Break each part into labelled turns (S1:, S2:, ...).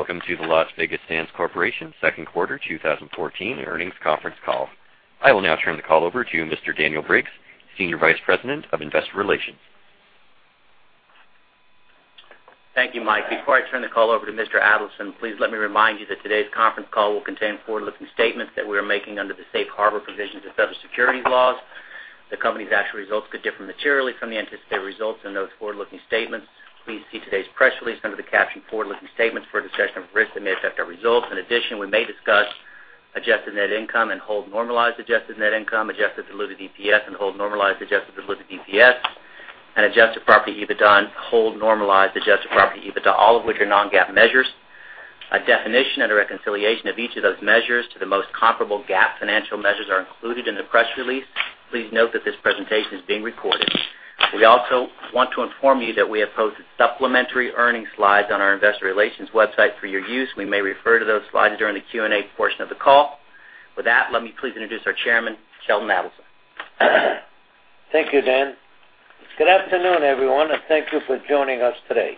S1: Welcome to the Las Vegas Sands Corporation second quarter 2014 earnings conference call. I will now turn the call over to Mr. Daniel Briggs, Senior Vice President of Investor Relations.
S2: Thank you, Mike. Before I turn the call over to Mr. Adelson, please let me remind you that today's conference call will contain forward-looking statements that we are making under the Safe Harbor provisions of federal securities laws. The company's actual results could differ materially from the anticipated results in those forward-looking statements. Please see today's press release under the caption "Forward-looking Statements" for a discussion of risks that may affect our results. In addition, we may discuss adjusted net income and whole normalized adjusted net income, adjusted diluted EPS and whole normalized adjusted diluted EPS, and adjusted property EBITDA and whole normalized adjusted property EBITDA, all of which are non-GAAP measures. A definition and a reconciliation of each of those measures to the most comparable GAAP financial measures are included in the press release. Please note that this presentation is being recorded. We also want to inform you that we have posted supplementary earnings slides on our investor relations website for your use. We may refer to those slides during the Q&A portion of the call. With that, let me please introduce our Chairman, Sheldon Adelson.
S3: Thank you, Dan. Good afternoon, everyone, and thank you for joining us today.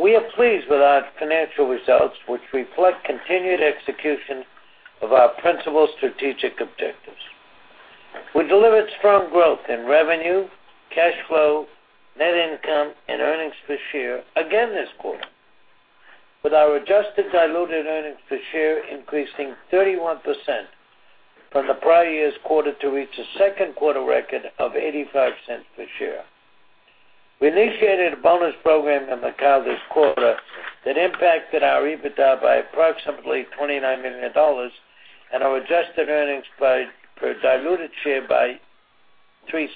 S3: We are pleased with our financial results, which reflect continued execution of our principal strategic objectives. We delivered strong growth in revenue, cash flow, net income, and earnings per share again this quarter, with our adjusted diluted earnings per share increasing 31% from the prior year's quarter to reach a second quarter record of $0.85 per share. We initiated a bonus program in Macau this quarter that impacted our EBITDA by approximately $29 million, and our adjusted earnings per diluted share by $0.03.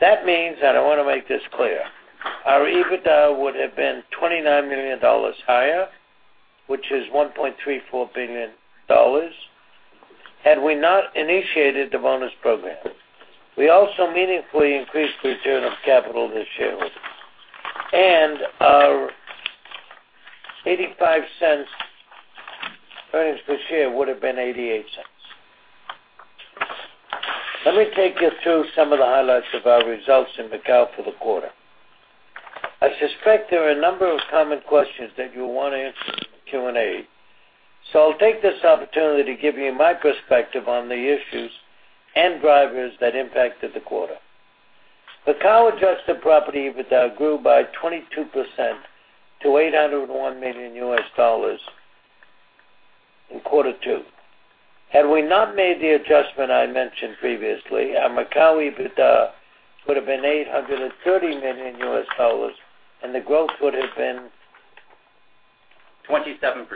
S3: That means, I want to make this clear, our EBITDA would have been $29 million higher, which is $1.34 billion, had we not initiated the bonus program. We also meaningfully increased return of capital this year. Our $0.85 earnings per share would've been $0.88. Let me take you through some of the highlights of our results in Macau for the quarter. I suspect there are a number of common questions that you'll want answered in the Q&A. I'll take this opportunity to give you my perspective on the issues and drivers that impacted the quarter. Macau adjusted property EBITDA grew by 22% to $801 million in quarter two. Had we not made the adjustment I mentioned previously, our Macau EBITDA would have been $830 million, and the growth would have been-
S2: 27%.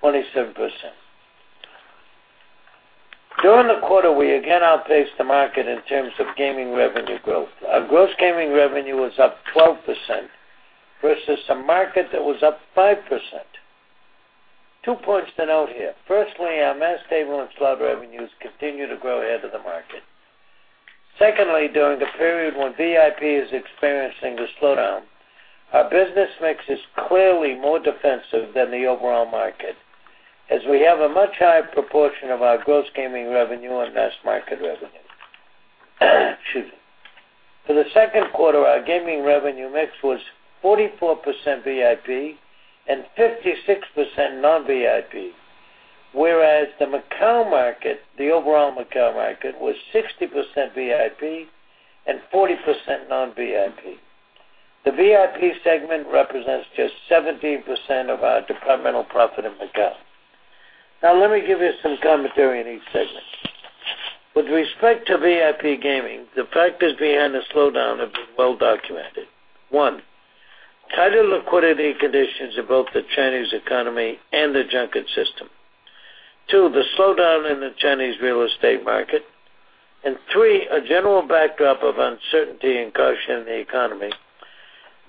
S3: 27%. During the quarter, we again outpaced the market in terms of gaming revenue growth. Our gross gaming revenue was up 12% versus a market that was up 5%. Two points to note here. Firstly, our mass table and slot revenues continue to grow ahead of the market. Secondly, during the period when VIP is experiencing a slowdown, our business mix is clearly more defensive than the overall market, as we have a much higher proportion of our gross gaming revenue and mass market revenue. Excuse me. For the second quarter, our gaming revenue mix was 44% VIP and 56% non-VIP. Whereas the Macau market, the overall Macau market, was 60% VIP and 40% non-VIP. The VIP segment represents just 17% of our departmental profit in Macau. Let me give you some commentary on each segment. With respect to VIP gaming, the factors behind the slowdown have been well-documented. One, tighter liquidity conditions in both the Chinese economy and the junket system. Two, the slowdown in the Chinese real estate market. Three, a general backdrop of uncertainty and caution in the economy.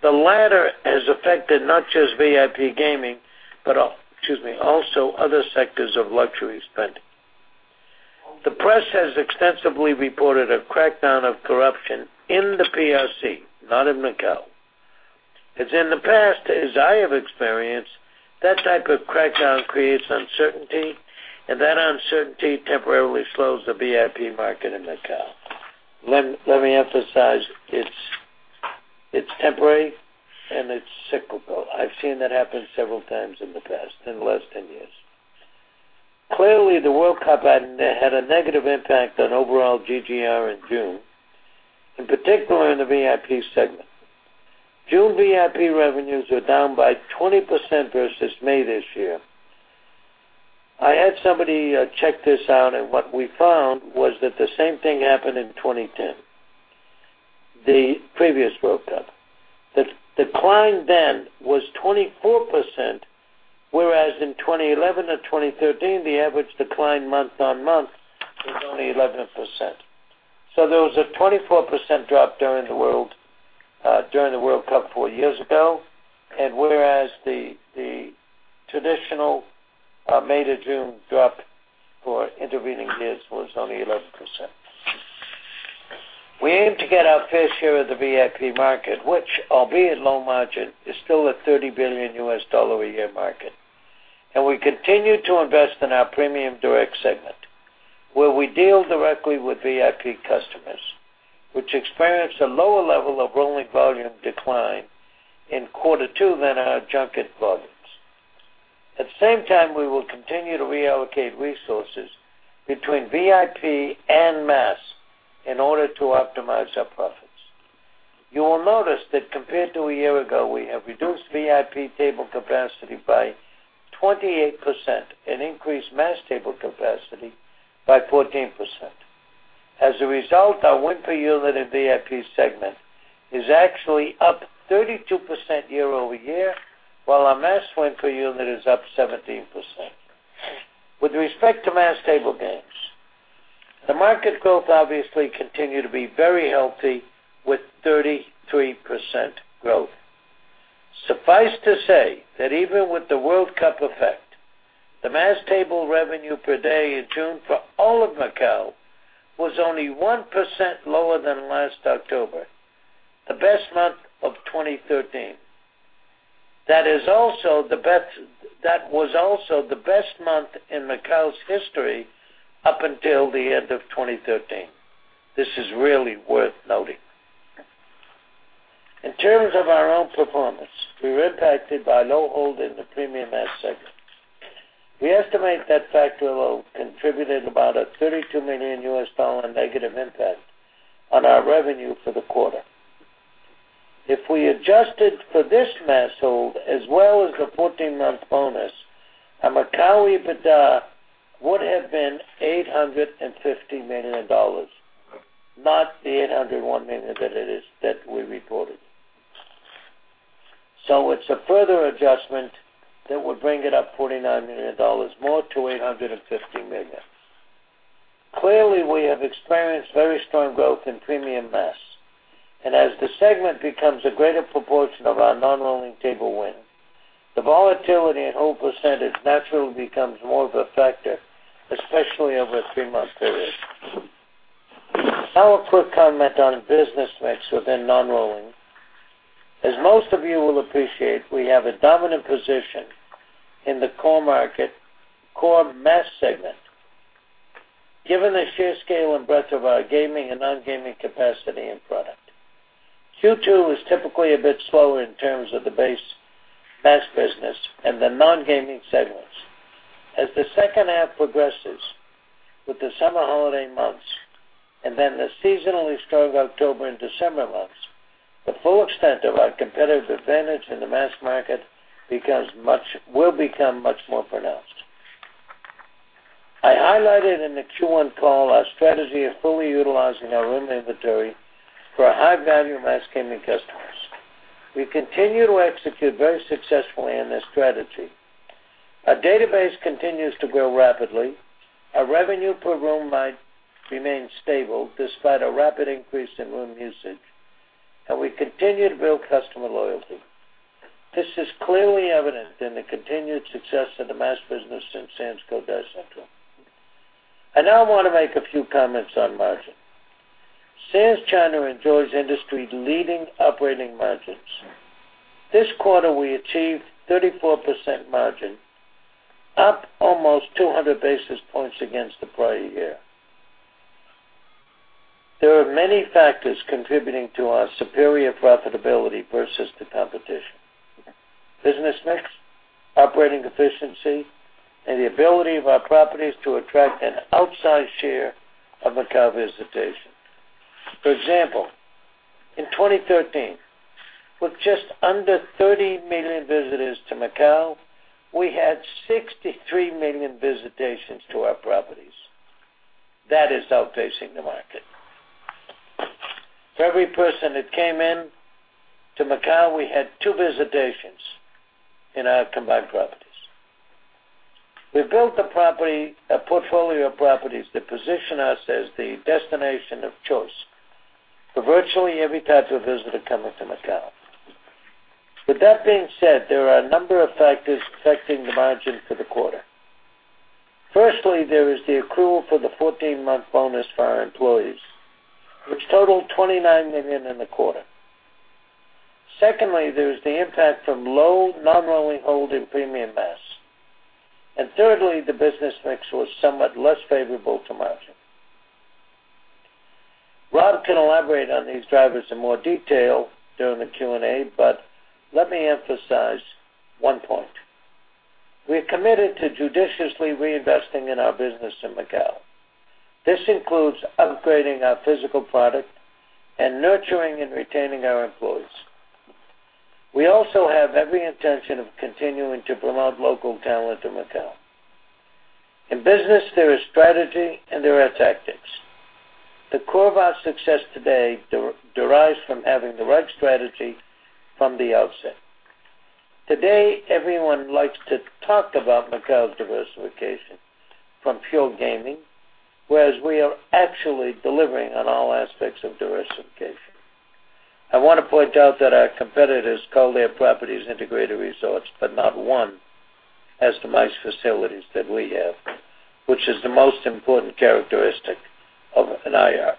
S3: The latter has affected not just VIP gaming, but also other sectors of luxury spending. The press has extensively reported a crackdown of corruption in the PRC, not in Macau. As in the past, as I have experienced, that type of crackdown creates uncertainty, and that uncertainty temporarily slows the VIP market in Macau. Let me emphasize, it's temporary and it's cyclical. I've seen that happen several times in the past, in the last 10 years. Clearly, the World Cup had a negative impact on overall GGR in June, in particular in the VIP segment. June VIP revenues were down by 20% versus May this year. I had somebody check this out, what we found was that the same thing happened in 2010, the previous World Cup. The decline then was 24%, whereas in 2011 to 2013, the average decline month-on-month was only 11%. There was a 24% drop during the World Cup four years ago, whereas the traditional May to June drop for intervening years was only 11%. We aim to get our fair share of the VIP market, which, albeit low margin, is still a $30 billion a year market. We continue to invest in our premium direct segment, where we deal directly with VIP customers, which experienced a lower level of rolling volume decline in quarter two than our junket volumes. At the same time, we will continue to reallocate resources between VIP and mass in order to optimize our profits. You will notice that compared to a year ago, we have reduced VIP table capacity by 28% and increased mass table capacity by 14%. As a result, our win per unit in VIP segment is actually up 32% year-over-year, while our mass win per unit is up 17%. With respect to mass table games, the market growth obviously continued to be very healthy with 33% growth. Suffice to say that even with the World Cup effect, the mass table revenue per day in June for all of Macau was only 1% lower than last October, the best month of 2013. That was also the best month in Macau's history up until the end of 2013. This is really worth noting. In terms of our own performance, we were impacted by low hold in the premium mass segments. We estimate that factor load contributed about a $32 million negative impact on our revenue for the quarter. If we adjusted for this mass hold as well as the 14-month bonus, our Macau EBITDA would have been $850 million, not the $801 million that we reported. It's a further adjustment that would bring it up $49 million more to $850 million. Clearly, we have experienced very strong growth in premium mass. As the segment becomes a greater proportion of our non-rolling table win, the volatility in hold percentage naturally becomes more of a factor, especially over a three-month period. Now a quick comment on business mix within non-rolling. As most of you will appreciate, we have a dominant position in the core market, core mass segment. Given the sheer scale and breadth of our gaming and non-gaming capacity and product, Q2 was typically a bit slower in terms of the base mass business and the non-gaming segments. As the second half progresses with the summer holiday months, then the seasonally strong October and December months, the full extent of our competitive advantage in the mass market will become much more pronounced. I highlighted in the Q1 call our strategy of fully utilizing our room inventory for our high-value mass gaming customers. We continue to execute very successfully on this strategy. Our database continues to grow rapidly, our revenue per room night remains stable despite a rapid increase in room usage, and we continue to build customer loyalty. This is clearly evident in the continued success of the mass business since Sands Cotai Central. I now want to make a few comments on margin. Sands China enjoys industry-leading operating margins. This quarter, we achieved 34% margin, up almost 200 basis points against the prior year. There are many factors contributing to our superior profitability versus the competition. Business mix, operating efficiency, and the ability of our properties to attract an outsized share of Macau visitation. For example, in 2013, with just under 30 million visitors to Macau, we had 63 million visitations to our properties. That is outpacing the market. For every person that came in to Macau, we had two visitations in our combined properties. We built a portfolio of properties that position us as the destination of choice for virtually every type of visitor coming to Macau. With that being said, there are a number of factors affecting the margin for the quarter. Firstly, there is the accrual for the 14-month bonus for our employees, which totaled $29 million in the quarter. Secondly, there is the impact from low non-rolling hold in premium mass. Thirdly, the business mix was somewhat less favorable to margin. Rob can elaborate on these drivers in more detail during the Q&A, but let me emphasize one point. We are committed to judiciously reinvesting in our business in Macau. This includes upgrading our physical product and nurturing and retaining our employees. We also have every intention of continuing to promote local talent in Macau. In business, there is strategy and there are tactics. The core of our success today derives from having the right strategy from the outset. Today, everyone likes to talk about Macau's diversification from pure gaming, whereas we are actually delivering on all aspects of diversification. I want to point out that our competitors call their properties integrated resorts, but not one has the MICE facilities that we have, which is the most important characteristic of an IR.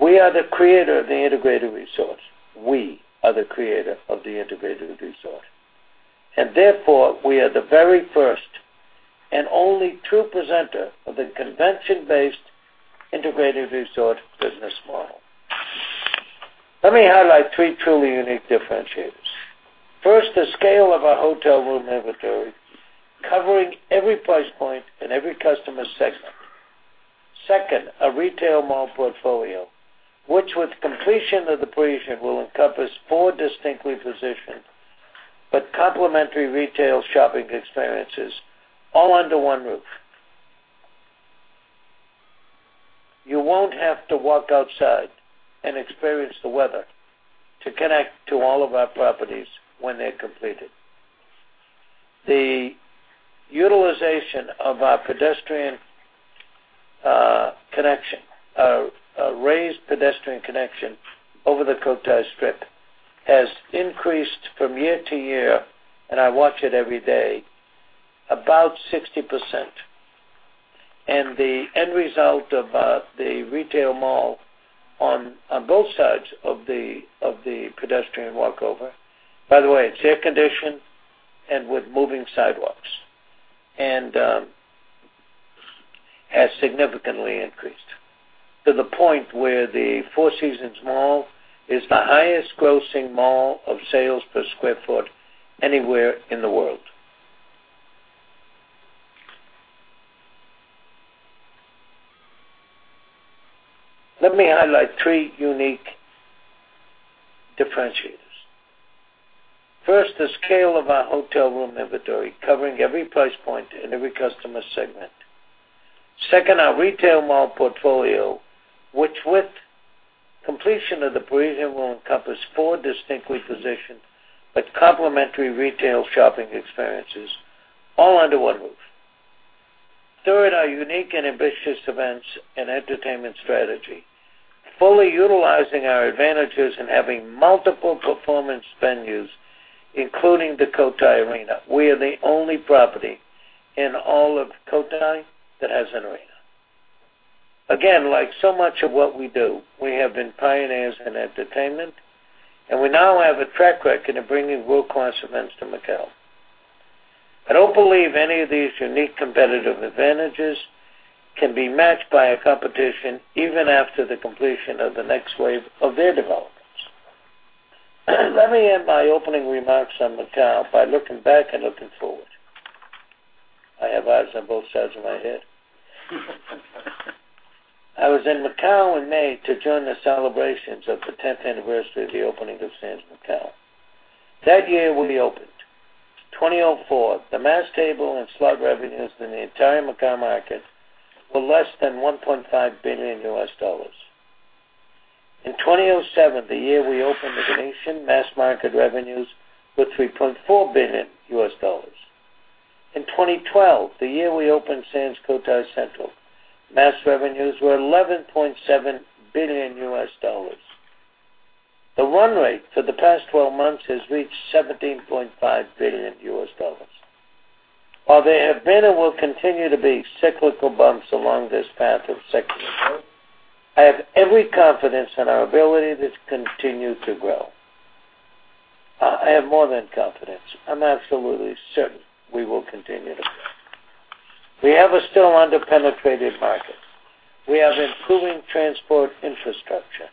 S3: We are the creator of the integrated resort. We are the creator of the integrated resort, therefore we are the very first and only true presenter of the convention-based integrated resort business model. Let me highlight three truly unique differentiators. First, the scale of our hotel room inventory, covering every price point and every customer segment. Second, our retail mall portfolio, which with completion of The Parisian, will encompass four distinctly positioned but complementary retail shopping experiences all under one roof. You won't have to walk outside and experience the weather to connect to all of our properties when they're completed. The utilization of our pedestrian connection, a raised pedestrian connection over the Cotai Strip, has increased from year to year, and I watch it every day, about 60%. The end result of the retail mall on both sides of the pedestrian walkover, by the way, it's air-conditioned and with moving sidewalks, and has significantly increased to the point where the Shoppes at Four Seasons is the highest grossing mall of sales per square foot anywhere in the world. Let me highlight three unique differentiators. First, the scale of our hotel room inventory, covering every price point and every customer segment. Second, our retail mall portfolio, which with completion of The Parisian, will encompass four distinctly positioned but complementary retail shopping experiences all under one roof. Third, our unique and ambitious events and entertainment strategy, fully utilizing our advantages in having multiple performance venues, including the Cotai Arena. We are the only property in all of Cotai that has an arena. Again, like so much of what we do, we have been pioneers in entertainment, and we now have a track record of bringing world-class events to Macao. I don't believe any of these unique competitive advantages can be matched by a competition, even after the completion of the next wave of their developments. Let me end my opening remarks on Macao by looking back and looking forward. I have eyes on both sides of my head. I was in Macao in May to join the celebrations of the 10th anniversary of the opening of Sands Macao. That year we opened, 2004, the mass table and slot revenues in the entire Macao market were less than $1.5 billion. In 2007, the year we opened The Venetian, mass market revenues were $3.4 billion. In 2012, the year we opened Sands Cotai Central, mass revenues were $11.7 billion. The run rate for the past 12 months has reached $17.5 billion. While there have been and will continue to be cyclical bumps along this path of secular growth, I have every confidence in our ability to continue to grow. I have more than confidence. I'm absolutely certain we will continue to grow. We have a still under-penetrated market. We have improving transport infrastructure.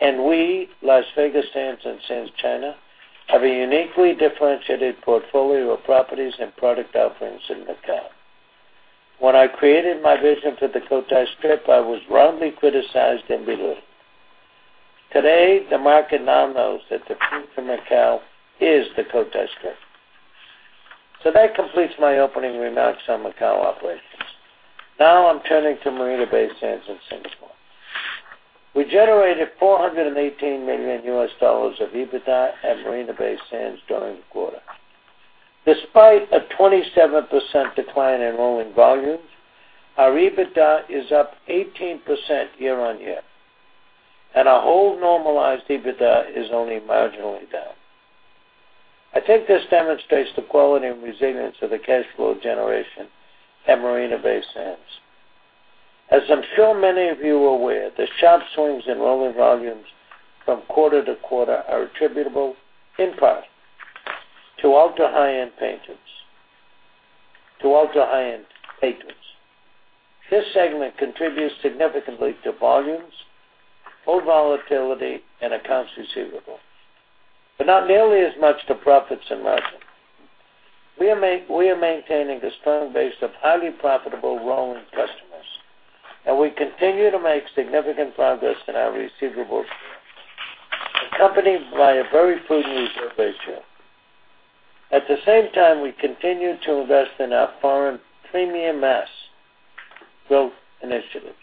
S3: We, Las Vegas Sands and Sands China, have a uniquely differentiated portfolio of properties and product offerings in Macao. When I created my vision for the Cotai Strip, I was wrongly criticized and belittled. Today, the market now knows that the future of Macao is the Cotai Strip. That completes my opening remarks on Macao operations. I'm turning to Marina Bay Sands in Singapore. We generated $418 million of EBITDA at Marina Bay Sands during the quarter. Despite a 27% decline in rolling volumes, our EBITDA is up 18% year-on-year, and our whole normalized EBITDA is only marginally down. I think this demonstrates the quality and resilience of the cash flow generation at Marina Bay Sands. As I'm sure many of you are aware, the sharp swings in rolling volumes from quarter to quarter are attributable, in part, to ultra-high end patrons. This segment contributes significantly to volumes, low volatility, and accounts receivable, but not nearly as much to profits and margin. We are maintaining a strong base of highly profitable rolling customers, and we continue to make significant progress in our receivables here, accompanied by a very prudent reserve ratio. At the same time, we continue to invest in our foreign premium mass growth initiatives.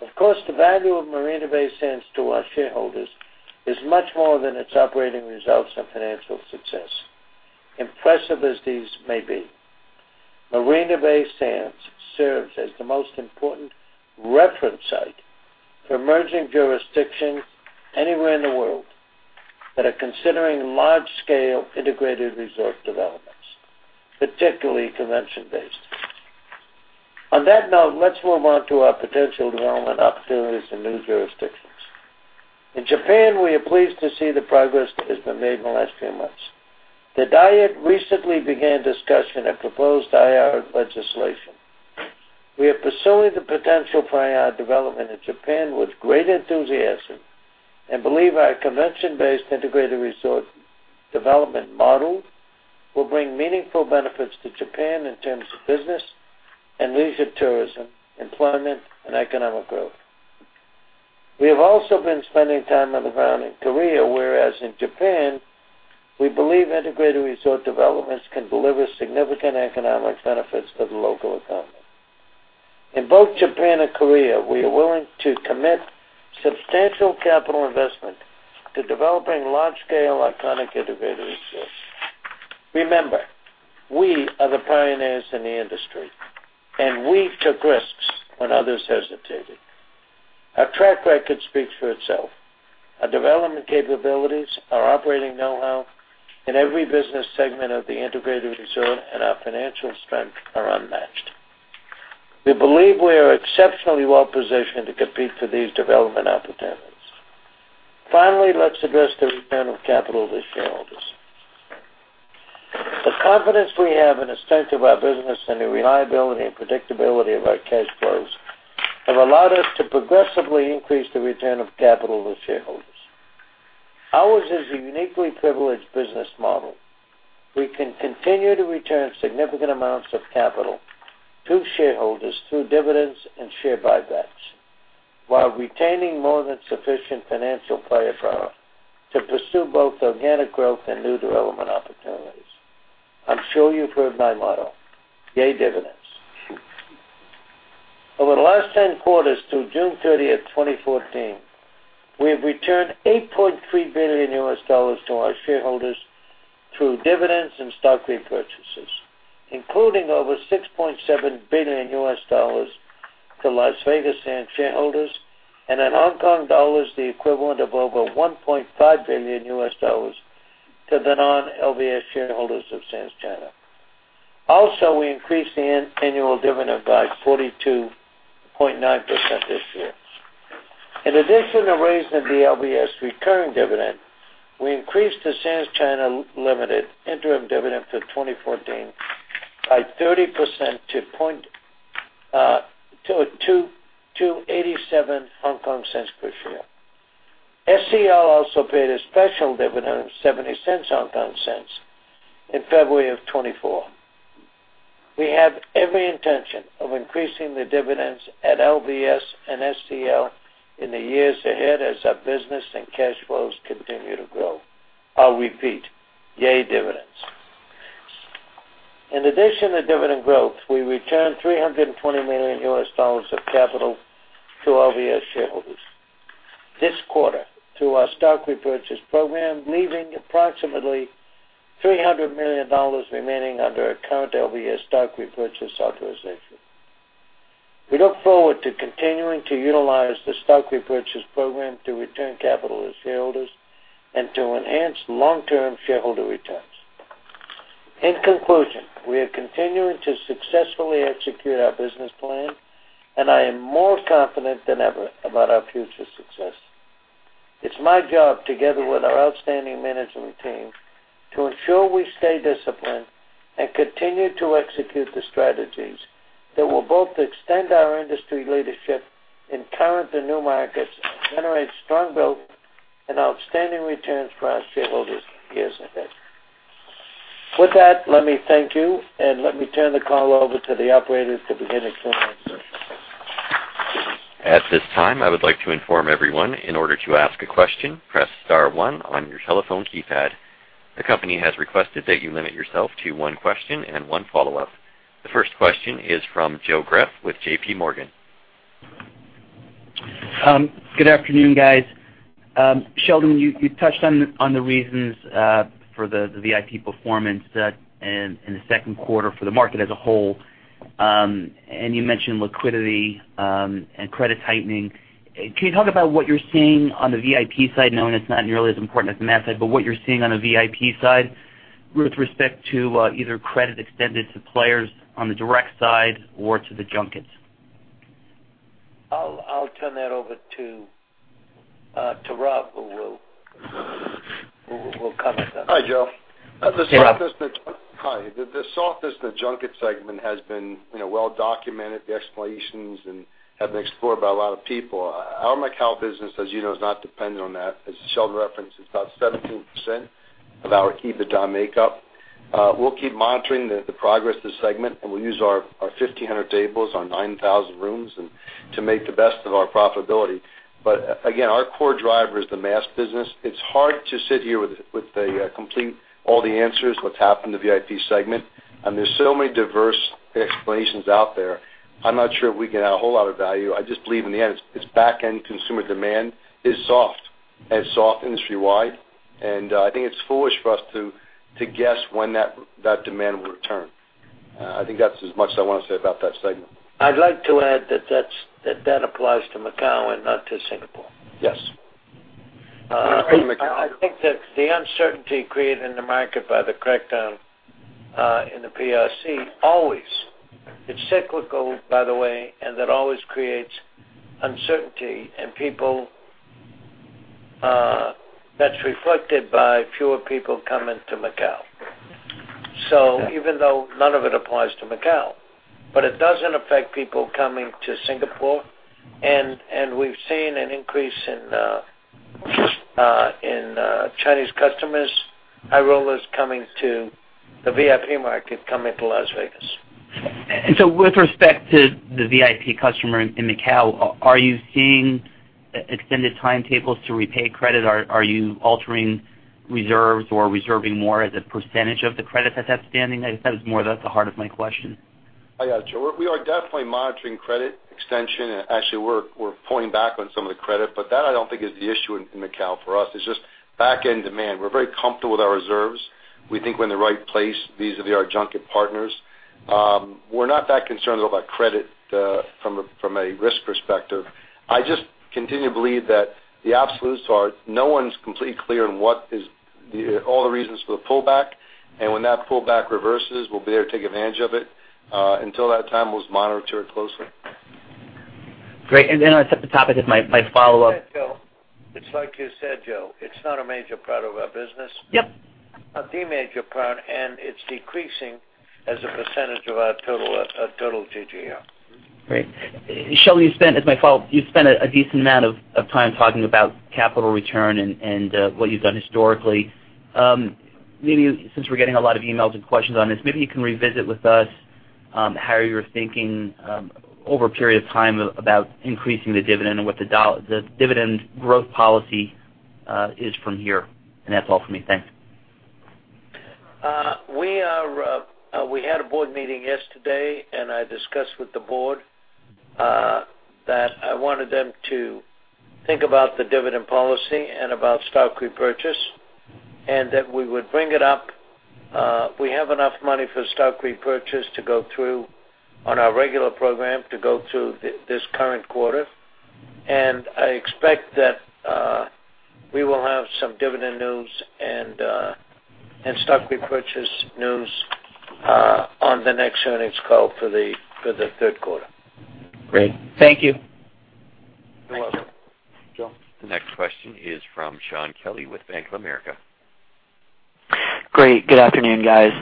S3: Of course, the value of Marina Bay Sands to our shareholders is much more than its operating results and financial success, impressive as these may be. Marina Bay Sands serves as the most important reference site for emerging jurisdictions anywhere in the world that are considering large-scale integrated resort developments, particularly convention-based. On that note, let's move on to our potential development opportunities in new jurisdictions. In Japan, we are pleased to see the progress that has been made in the last few months. The Diet recently began discussion of proposed IR legislation. We are pursuing the potential for IR development in Japan with great enthusiasm and believe our convention-based integrated resort development model will bring meaningful benefits to Japan in terms of business and leisure tourism, employment, and economic growth. We have also been spending time on the ground in Korea, whereas in Japan, we believe integrated resort developments can deliver significant economic benefits to the local economy. In both Japan and Korea, we are willing to commit substantial capital investment to developing large-scale iconic integrated resorts. Remember, we are the pioneers in the industry, and we took risks when others hesitated. Our track record speaks for itself. Our development capabilities, our operating know-how in every business segment of the integrated resort, and our financial strength are unmatched. We believe we are exceptionally well-positioned to compete for these development opportunities. Finally, let's address the return of capital to shareholders. The confidence we have in the strength of our business and the reliability and predictability of our cash flows have allowed us to progressively increase the return of capital to shareholders. Ours is a uniquely privileged business model. We can continue to return significant amounts of capital to shareholders through dividends and share buybacks while retaining more than sufficient financial firepower to pursue both organic growth and new development opportunities. I'm sure you've heard my motto, "Yay, dividends." Over the last 10 quarters, through June 30th, 2014, we have returned $8.3 billion to our shareholders through dividends and stock repurchases, including over $6.7 billion to Las Vegas Sands shareholders and in HKD, the equivalent of over $1.5 billion to the non-LVS shareholders of Sands China. Also, we increased the annual dividend by 42.9% this year. In addition to raising the LVS recurring dividend, we increased the Sands China Limited interim dividend for 2014 by 30% to 0.87 per share. SCL also paid a special dividend of 0.70 in February of 2014. We have every intention of increasing the dividends at LVS and SCL in the years ahead as our business and cash flows continue to grow. I'll repeat, yay, dividends. In addition to dividend growth, we returned $320 million of capital to LVS shareholders this quarter through our stock repurchase program, leaving approximately $300 million remaining under our current LVS stock repurchase authorization. We look forward to continuing to utilize the stock repurchase program to return capital to shareholders and to enhance long-term shareholder returns. In conclusion, we are continuing to successfully execute our business plan, I am more confident than ever about our future success. It's my job, together with our outstanding management team, to ensure we stay disciplined and continue to execute the strategies that will both extend our industry leadership in current and new markets and generate strong growth and outstanding returns for our shareholders in the years ahead. With that, let me thank you, let me turn the call over to the operator to begin the question session.
S1: At this time, I would like to inform everyone in order to ask a question, press star one on your telephone keypad. The company has requested that you limit yourself to one question and one follow-up. The first question is from Joe Greff with JPMorgan Chase.
S4: Good afternoon, guys. Sheldon, you touched on the reasons for the VIP performance in the second quarter for the market as a whole, and you mentioned liquidity and credit tightening. Can you talk about what you're seeing on the VIP side? I know it's not nearly as important as the mass side, but what you're seeing on the VIP side with respect to either credit extended to players on the direct side or to the junkets?
S3: I'll turn that over to Rob, who will comment on that.
S5: Hi, Joe.
S4: Yeah, Rob.
S5: Hi. The softness in the junket segment has been well documented, the explanations, and have been explored by a lot of people. Our Macau business, as you know, is not dependent on that. As Sheldon referenced, it's about 17% of our EBITDA makeup. We'll keep monitoring the progress of the segment, and we'll use our 1,500 tables, our 9,000 rooms to make the best of our profitability. Again, our core driver is the mass business. It's hard to sit here with all the answers, what's happened to the VIP segment, and there's so many diverse explanations out there. I'm not sure if we can add a whole lot of value. I just believe in the end, its back-end consumer demand is soft and soft industry-wide. I think it's foolish for us to guess when that demand will return. I think that's as much as I want to say about that segment.
S3: I'd like to add that that applies to Macau and not to Singapore.
S5: Yes.
S3: I think that the uncertainty created in the market by the crackdown in the PRC, always. It's cyclical, by the way, and that always creates uncertainty, and that's reflected by fewer people coming to Macau. Even though none of it applies to Macau, but it doesn't affect people coming to Singapore, and we've seen an increase in Chinese customers, high rollers coming to the VIP market, coming to Las Vegas.
S4: With respect to the VIP customer in Macau, are you seeing extended timetables to repay credit? Are you altering reserves or reserving more as a percentage of the credit that's outstanding? I guess that was more the heart of my question.
S5: I got you. We are definitely monitoring credit extension, and actually, we're pulling back on some of the credit. That I don't think is the issue in Macau for us. It's just back end demand. We're very comfortable with our reserves. We think we're in the right place vis-a-vis our junket partners. We're not that concerned about credit from a risk perspective. I just continue to believe that the absolutes are no one's completely clear on what is all the reasons for the pullback, and when that pullback reverses, we'll be there to take advantage of it. Until that time, we'll just monitor it closely.
S4: Great. Then I set the topic as my follow-up.
S3: Hey, Joe. It's like you said, Joe, it's not a major part of our business.
S4: Yep.
S3: Not the major part, it's decreasing as a percentage of our total GGR.
S4: Great. Sheldon, as my follow-up, you've spent a decent amount of time talking about capital return and what you've done historically. Maybe since we're getting a lot of emails and questions on this, maybe you can revisit with us how you're thinking over a period of time about increasing the dividend and what the dividend growth policy is from here. That's all for me. Thanks.
S3: We had a board meeting yesterday, I discussed with the board that I wanted them to think about the dividend policy and about stock repurchase, that we would bring it up. We have enough money for stock repurchase to go through on our regular program, to go through this current quarter. I expect that we will have some dividend news and stock repurchase news on the next earnings call for the third quarter.
S4: Great. Thank you.
S3: You're welcome.
S5: Joe?
S1: The next question is from Shaun Kelley with Bank of America.
S6: Great. Good afternoon, guys.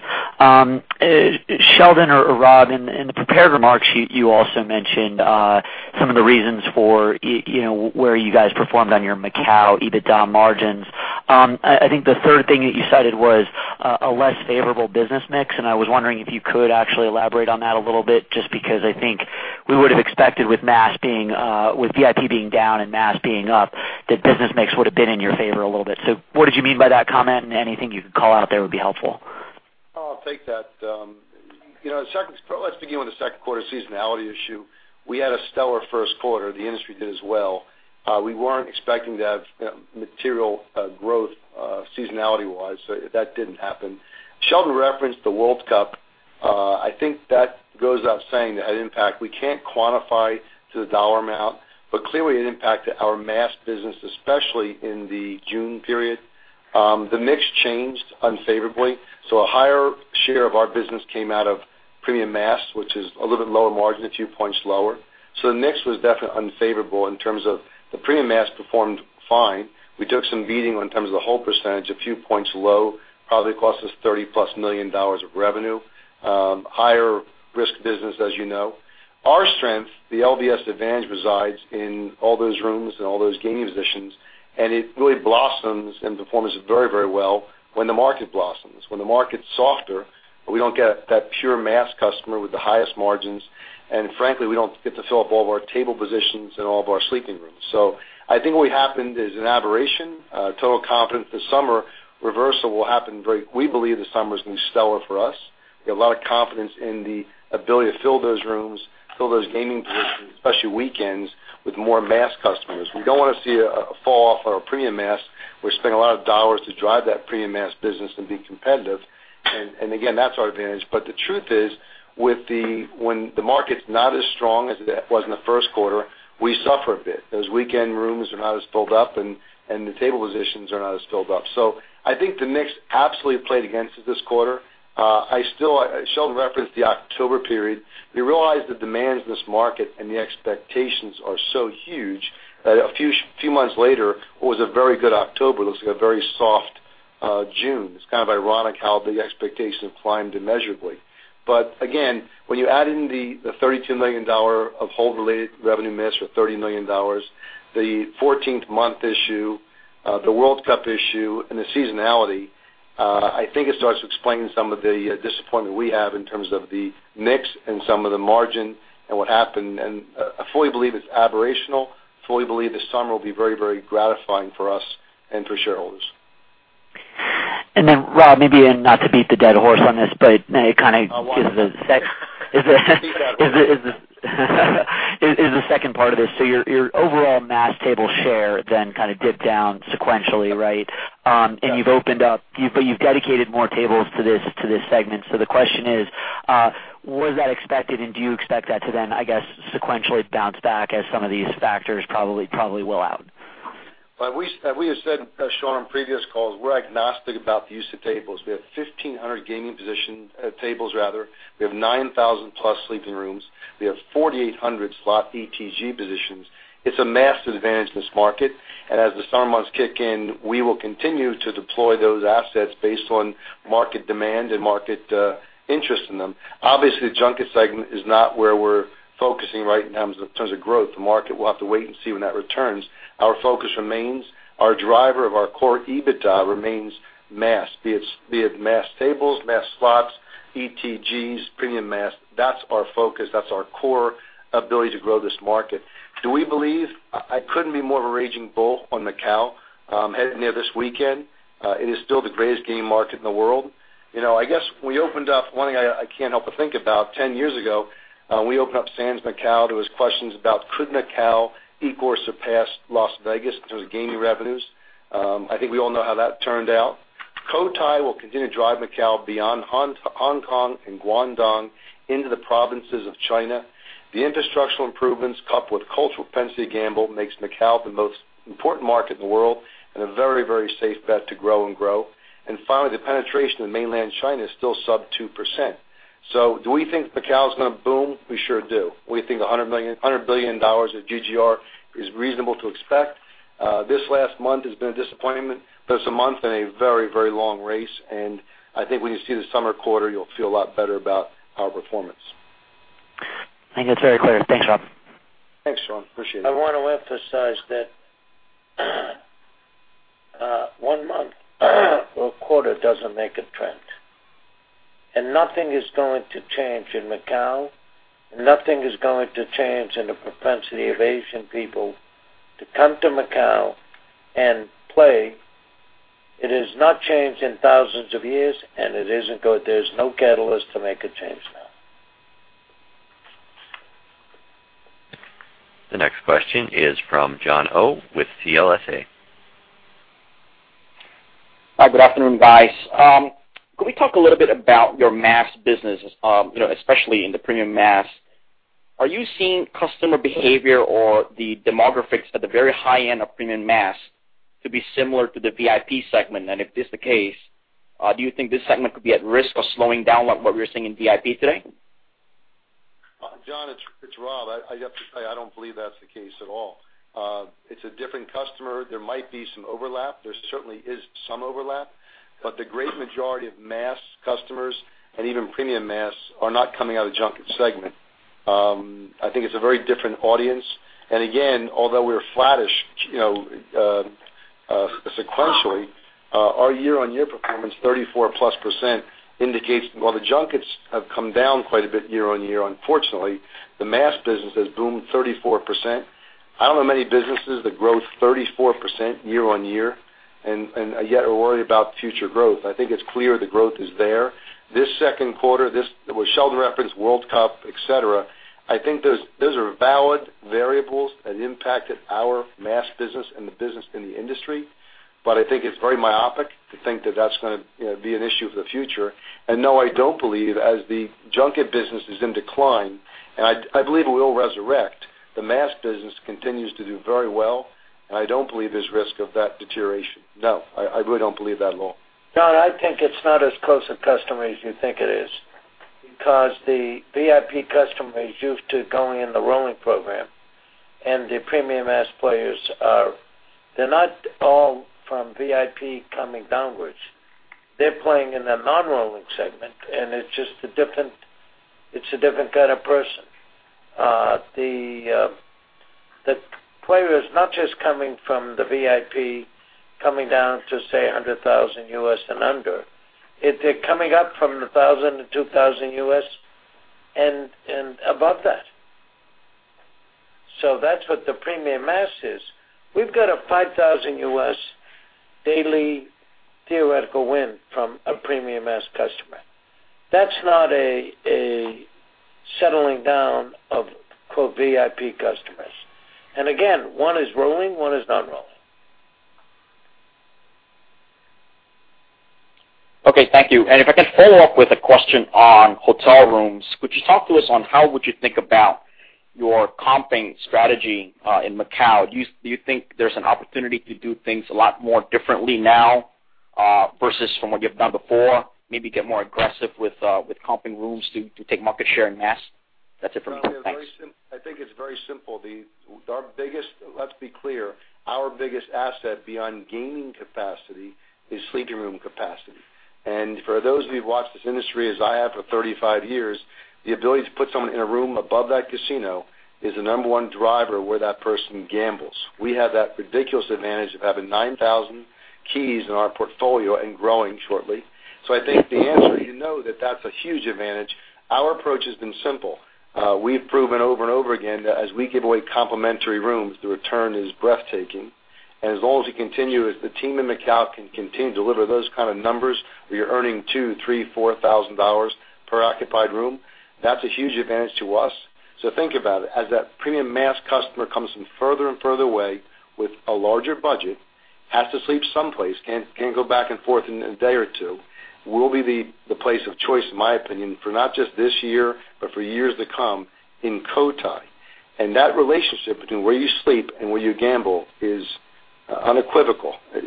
S6: Sheldon or Rob, in the prepared remarks, you also mentioned some of the reasons for where you guys performed on your Macau EBITDA margins. I think the third thing that you cited was a less favorable business mix. I was wondering if you could actually elaborate on that a little bit, just because I think we would've expected with VIP being down and mass being up, that business mix would've been in your favor a little bit. What did you mean by that comment? Anything you could call out there would be helpful.
S5: I'll take that. Let's begin with the second quarter seasonality issue. We had a stellar first quarter. The industry did as well. We weren't expecting to have material growth seasonality-wise. That didn't happen. Sheldon referenced the World Cup. I think that goes without saying that had impact. We can't quantify to the dollar amount, but clearly it impacted our mass business, especially in the June period. The mix changed unfavorably, so a higher share of our business came out of premium mass, which is a little bit lower margin, a few points lower. The mix was definitely unfavorable in terms of the premium mass performed fine. We took some beating in terms of the hold percentage, a few points low, probably cost us $30-plus million of revenue. Higher risk business, as you know. Our strength, the LVS advantage, resides in all those rooms and all those gaming positions, and it really blossoms and performs very well when the market blossoms. When the market's softer, we don't get that pure mass customer with the highest margins, and frankly, we don't get to fill up all of our table positions and all of our sleeping rooms. I think what happened is an aberration. Total confidence this summer reversal will happen. We believe this summer's going to be stellar for us. We have a lot of confidence in the ability to fill those rooms, fill those gaming positions, especially weekends, with more mass customers. We don't want to see a fall off on our premium mass. We spend a lot of dollars to drive that premium mass business and be competitive. Again, that's our advantage. The truth is, when the market's not as strong as it was in the first quarter, we suffer a bit. Those weekend rooms are not as filled up, and the table positions are not as filled up. I think the mix absolutely played against us this quarter. Sheldon referenced the October period. We realized the demands in this market and the expectations are so huge that a few months later, what was a very good October, looks like a very soft June. It's kind of ironic how the expectations climbed immeasurably. Again, when you add in the $32 million of hold related revenue miss or $30 million, the 14th month issue, the World Cup issue, and the seasonality, I think it starts to explain some of the disappointment we have in terms of the mix and some of the margin and what happened. I fully believe it's aberrational. I fully believe this summer will be very gratifying for us and for shareholders.
S6: Rob, maybe, not to beat the dead horse on this, it kind of gives a sec. Is the second part of this, your overall mass table share then kind of dipped down sequentially, right?
S5: Yes.
S6: You've dedicated more tables to this segment. The question is, was that expected? Do you expect that to then, I guess, sequentially bounce back as some of these factors probably will out?
S5: As we have said, Shaun, on previous calls, we're agnostic about the use of tables. We have 1,500 gaming tables. We have 9,000-plus sleeping rooms. We have 4,800 slot ETG positions. It's a mass advantage in this market. As the summer months kick in, we will continue to deploy those assets based on market demand and market interest in them. Obviously, the junket segment is not where we're focusing right now in terms of growth. The market will have to wait and see when that returns. Our focus remains, our driver of our core EBITDA remains mass. Be it mass tables, mass slots, ETGs, premium mass. That's our focus. That's our core ability to grow this market. I couldn't be more of a raging bull on Macao heading there this weekend. It is still the greatest gaming market in the world. I guess, one thing I can't help but think about, 10 years ago, we opened up Sands Macao. There was questions about, could Macao equal or surpass Las Vegas in terms of gaming revenues? I think we all know how that turned out. Cotai will continue to drive Macao beyond Hong Kong and Guangdong into the provinces of China. The infrastructural improvements, coupled with cultural propensity to gamble, makes Macao the most important market in the world, and a very safe bet to grow and grow. Finally, the penetration in mainland China is still sub 2%. Do we think Macao is going to boom? We sure do. We think $100 billion of GGR is reasonable to expect. This last month has been a disappointment, but it's a month in a very long race, and I think when you see the summer quarter, you'll feel a lot better about our performance.
S6: I think that's very clear. Thanks, Rob.
S5: Thanks, Shaun. Appreciate it.
S3: I want to emphasize that one month or a quarter doesn't make a trend. Nothing is going to change in Macau, nothing is going to change in the propensity of Asian people to come to Macau and play. It has not changed in thousands of years, and it isn't going to. There's no catalyst to make a change now.
S1: The next question is from Jon Oh with CLSA.
S7: Hi, good afternoon, guys. Could we talk a little bit about your mass business, especially in the premium mass? Are you seeing customer behavior or the demographics at the very high end of premium mass to be similar to the VIP segment? If this is the case, do you think this segment could be at risk of slowing down like what we're seeing in VIP today?
S5: Jon, it's Rob. I'd have to say, I don't believe that's the case at all. It's a different customer. There might be some overlap. There certainly is some overlap. The great majority of mass customers, and even premium mass, are not coming out of the junket segment. I think it's a very different audience. Again, although we're flattish sequentially, our year-on-year performance, 34+%, indicates while the junkets have come down quite a bit year-on-year, unfortunately, the mass business has boomed 34%. I don't know many businesses that grow 34% year-on-year and yet are worried about future growth. I think it's clear the growth is there. This second quarter, with Sheldon, World Cup, et cetera, I think those are valid variables that impacted our mass business and the business in the industry. I think it's very myopic to think that that's going to be an issue for the future. No, I don't believe as the junket business is in decline, and I believe it will resurrect, the mass business continues to do very well, and I don't believe there's risk of that deterioration. No, I really don't believe that at all.
S3: Jon, I think it's not as close a customer as you think it is because the VIP customers are used to going in the rolling program, the premium mass players are not all from VIP coming downwards. They're playing in the non-rolling segment, it's a different kind of person. The player is not just coming from the VIP coming down to, say, $100,000 and under. They're coming up from the $1,000 to $2,000 and above that. That's what the premium mass is. We've got a $5,000 daily theoretical win from a premium mass customer. That's not a settling down of "VIP customers." Again, one is rolling, one is not rolling.
S7: Okay. Thank you. If I can follow up with a question on hotel rooms. Could you talk to us on how would you think about your comping strategy in Macau? Do you think there's an opportunity to do things a lot more differently now versus from what you've done before? Maybe get more aggressive with comping rooms to take market share in mass? That's it for me. Thanks.
S5: I think it's very simple. Let's be clear. Our biggest asset beyond gaming capacity is sleeping room capacity. For those of you who've watched this industry as I have for 35 years, the ability to put someone in a room above that casino is the number one driver where that person gambles. We have that ridiculous advantage of having 9,000 keys in our portfolio and growing shortly. I think the answer, you know that that's a huge advantage. Our approach has been simple. We've proven over and over again, as we give away complimentary rooms, the return is breathtaking. As long as we continue, as the team in Macau can continue to deliver those kind of numbers, where you're earning $2,000, $3,000, $4,000 per occupied room, that's a huge advantage to us. Think about it. As that premium mass customer comes from further and further away with a larger budget Has to sleep someplace, can't go back and forth in a day or two, will be the place of choice, in my opinion, for not just this year, but for years to come in Cotai. That relationship between where you sleep and where you gamble is unequivocal. That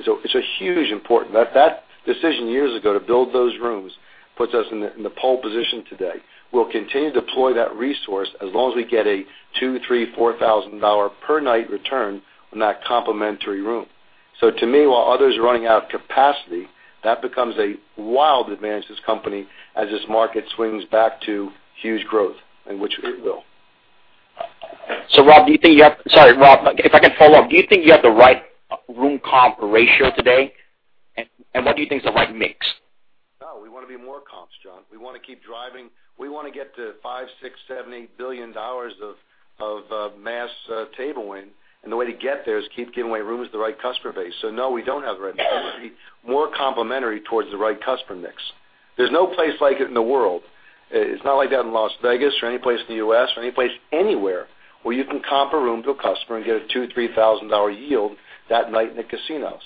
S5: decision years ago to build those rooms puts us in the pole position today. We'll continue to deploy that resource as long as we get a $2,000, $3,000, $4,000 per night return on that complimentary room. To me, while others are running out of capacity, that becomes a wild advantage to this company as this market swings back to huge growth, and which it will.
S7: Rob, Sorry, Rob, if I can follow up. Do you think you have the right room comp ratio today? What do you think is the right mix?
S5: We want to be more comps, Jon. We want to keep driving. We want to get to $5 billion, $6 billion, $7 billion, $8 billion of mass table win. The way to get there is keep giving away rooms to the right customer base. We don't have the right customer base. More complimentary towards the right customer mix. There's no place like it in the world. It's not like that in Las Vegas or any place in the U.S. or any place anywhere where you can comp a room to a customer and get a $2,000, $3,000 yield that night in a casino.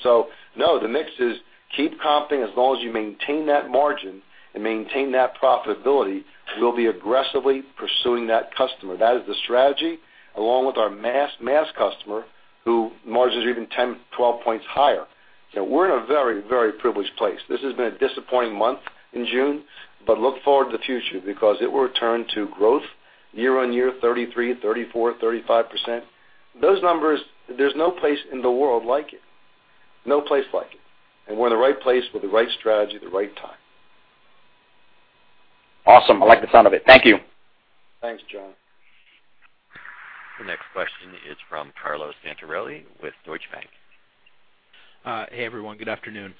S5: The mix is keep comping as long as you maintain that margin and maintain that profitability, we'll be aggressively pursuing that customer. That is the strategy, along with our mass customer, who margins are even 10, 12 points higher. We're in a very, very privileged place. This has been a disappointing month in June. Look forward to the future because it will return to growth year-over-year, 33%, 34%, 35%. Those numbers, there's no place in the world like it. No place like it. We're in the right place with the right strategy at the right time.
S8: Awesome. I like the sound of it. Thank you.
S5: Thanks, Jon.
S1: The next question is from Carlo Santarelli with Deutsche Bank.
S9: Hey, everyone. Good afternoon.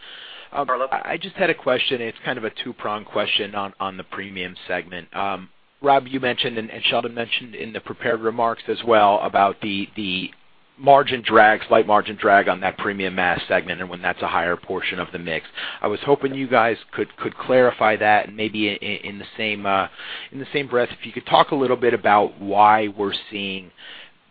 S5: Carlo.
S9: I just had a question, and it's kind of a two-pronged question on the premium segment. Rob, you mentioned, and Sheldon mentioned in the prepared remarks as well, about the margin drag, slight margin drag on that premium mass segment and when that's a higher portion of the mix. I was hoping you guys could clarify that and maybe in the same breath, if you could talk a little bit about why we're seeing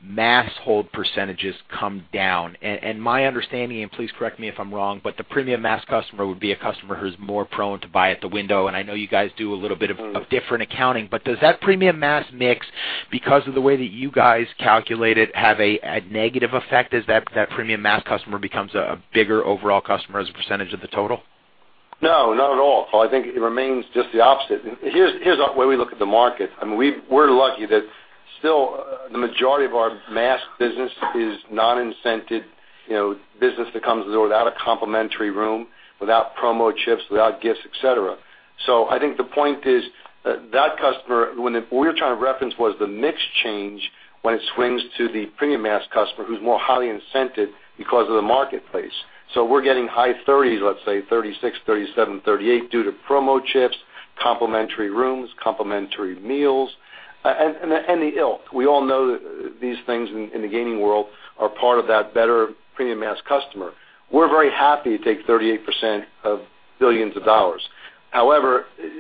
S9: mass hold percentages come down. My understanding, and please correct me if I'm wrong, but the premium mass customer would be a customer who's more prone to buy at the window, and I know you guys do a little bit of different accounting. Does that premium mass mix, because of the way that you guys calculate it, have a negative effect as that premium mass customer becomes a bigger overall customer as a percentage of the total?
S5: No, not at all. I think it remains just the opposite. Here's the way we look at the market. We're lucky that still the majority of our mass business is non-incented business that comes without a complimentary room, without promo chips, without gifts, et cetera. I think the point is, what we were trying to reference was the mix change when it swings to the premium mass customer who's more highly incented because of the marketplace. We're getting high 30s, let's say 36%, 37%, 38% due to promo chips, complimentary rooms, complimentary meals, and the ilk. We all know these things in the gaming world are part of that better premium mass customer. We're very happy to take 38% of billions of dollars.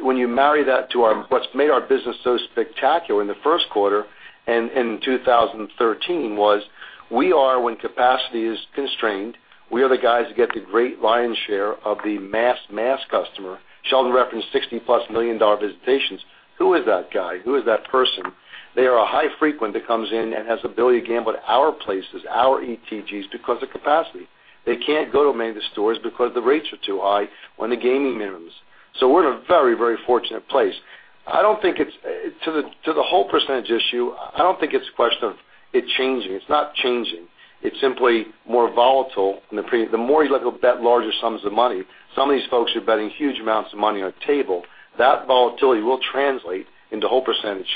S5: When you marry that to what's made our business so spectacular in the first quarter and in 2013 was we are, when capacity is constrained, we are the guys who get the great lion's share of the mass customer. Sheldon referenced $60-plus million visitations. Who is that guy? Who is that person? They are a high frequent that comes in and has the ability to gamble at our places, our ETGs, because of capacity. They can't go to many of the stores because the rates are too high on the gaming minimums. We're in a very, very fortunate place. To the whole percentage issue, I don't think it's a question of it changing. It's not changing. It's simply more volatile. The more you let people bet larger sums of money, some of these folks are betting huge amounts of money on a table. That volatility will translate into whole percentage.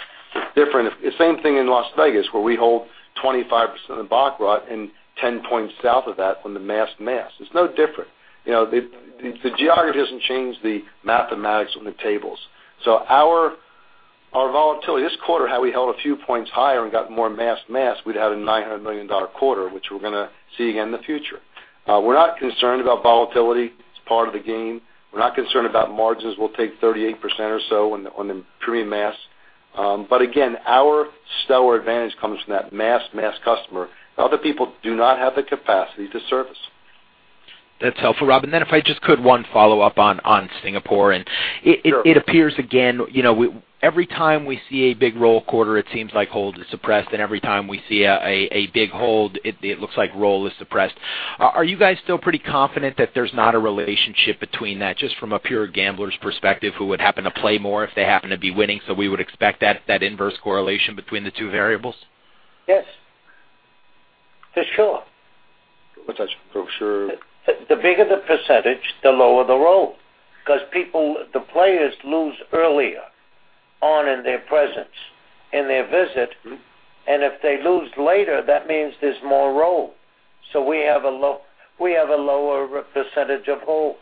S5: Same thing in Las Vegas, where we hold 25% of the baccarat and 10 points south of that on the mass. It's no different. The geography hasn't changed the mathematics on the tables. Our volatility, this quarter, had we held a few points higher and got more mass, we'd have a $900 million quarter, which we're going to see again in the future. We're not concerned about volatility. It's part of the game. We're not concerned about margins. We'll take 38% or so on the premium mass. Again, our stellar advantage comes from that mass customer that other people do not have the capacity to service.
S9: That's helpful, Rob. Then if I just could, one follow-up on Singapore.
S5: Sure.
S9: It appears again every time we see a big roll quarter, it seems like hold is suppressed, and every time we see a big hold, it looks like roll is suppressed. Are you guys still pretty confident that there's not a relationship between that, just from a pure gambler's perspective, who would happen to play more if they happen to be winning, so we would expect that inverse correlation between the two variables?
S3: Yes. For sure.
S5: For sure.
S3: The bigger the percentage, the lower the roll. Because the players lose earlier on in their presence, in their visit. If they lose later, that means there's more roll. We have a lower percentage of hold.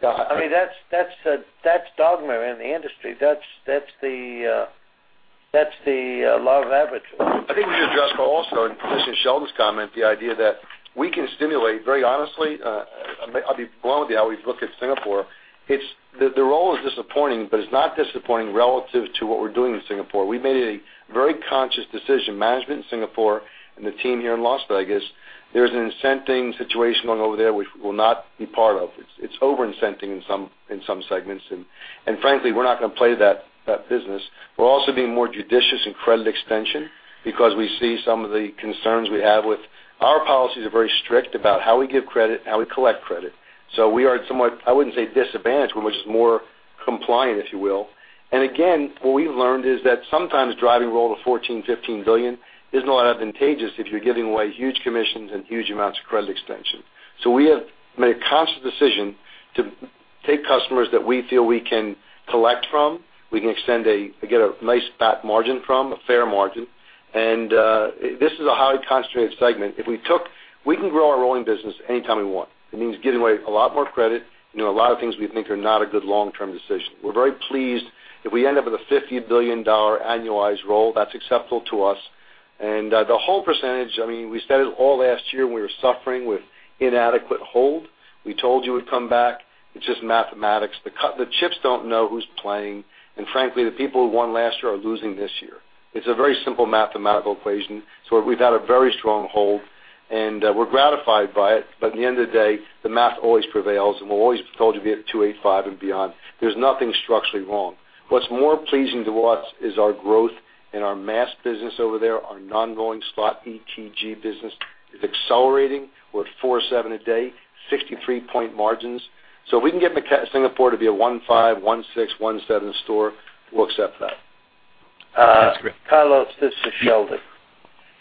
S3: That's dogma in the industry. That's the law of averages.
S5: I think we address also, in addition to Sheldon's comment, the idea that we can stimulate very honestly. I'll be blunt with you, I always look at Singapore. The roll is disappointing, but it's not disappointing relative to what we're doing in Singapore. We made a very conscious decision, management in Singapore and the team here in Las Vegas. There's an incenting situation going over there, which we'll not be part of. It's over-incenting in some segments, and frankly, we're not going to play to that business. We're also being more judicious in credit extension because we see some of the concerns we have. Our policies are very strict about how we give credit and how we collect credit. We are at somewhat, I wouldn't say disadvantaged. We're much more compliant, if you will. Again, what we've learned is that sometimes driving roll to $14 billion-$15 billion isn't a lot advantageous if you're giving away huge commissions and huge amounts of credit extension. We have made a conscious decision to take customers that we feel we can collect from, we can get a nice fat margin from, a fair margin. This is a highly concentrated segment. We can grow our rolling business any time we want. It means giving away a lot more credit, a lot of things we think are not a good long-term decision. We're very pleased. If we end up with a $50 billion annualized roll, that's acceptable to us. The whole percentage, we said it all last year when we were suffering with inadequate hold. We told you it would come back. It's just mathematics. The chips don't know who's playing. Frankly, the people who won last year are losing this year. It's a very simple mathematical equation. We've had a very strong hold, and we're gratified by it. At the end of the day, the math always prevails, and we always told you it'd be at 285 and beyond. There's nothing structurally wrong. What's more pleasing to us is our growth in our mass business over there. Our non-rolling slot ETG business is accelerating. We're at $47 a day, 63-point margins. If we can get Singapore to be a one five, one six, one seven store, we'll accept that.
S3: Carlo, this is Sheldon.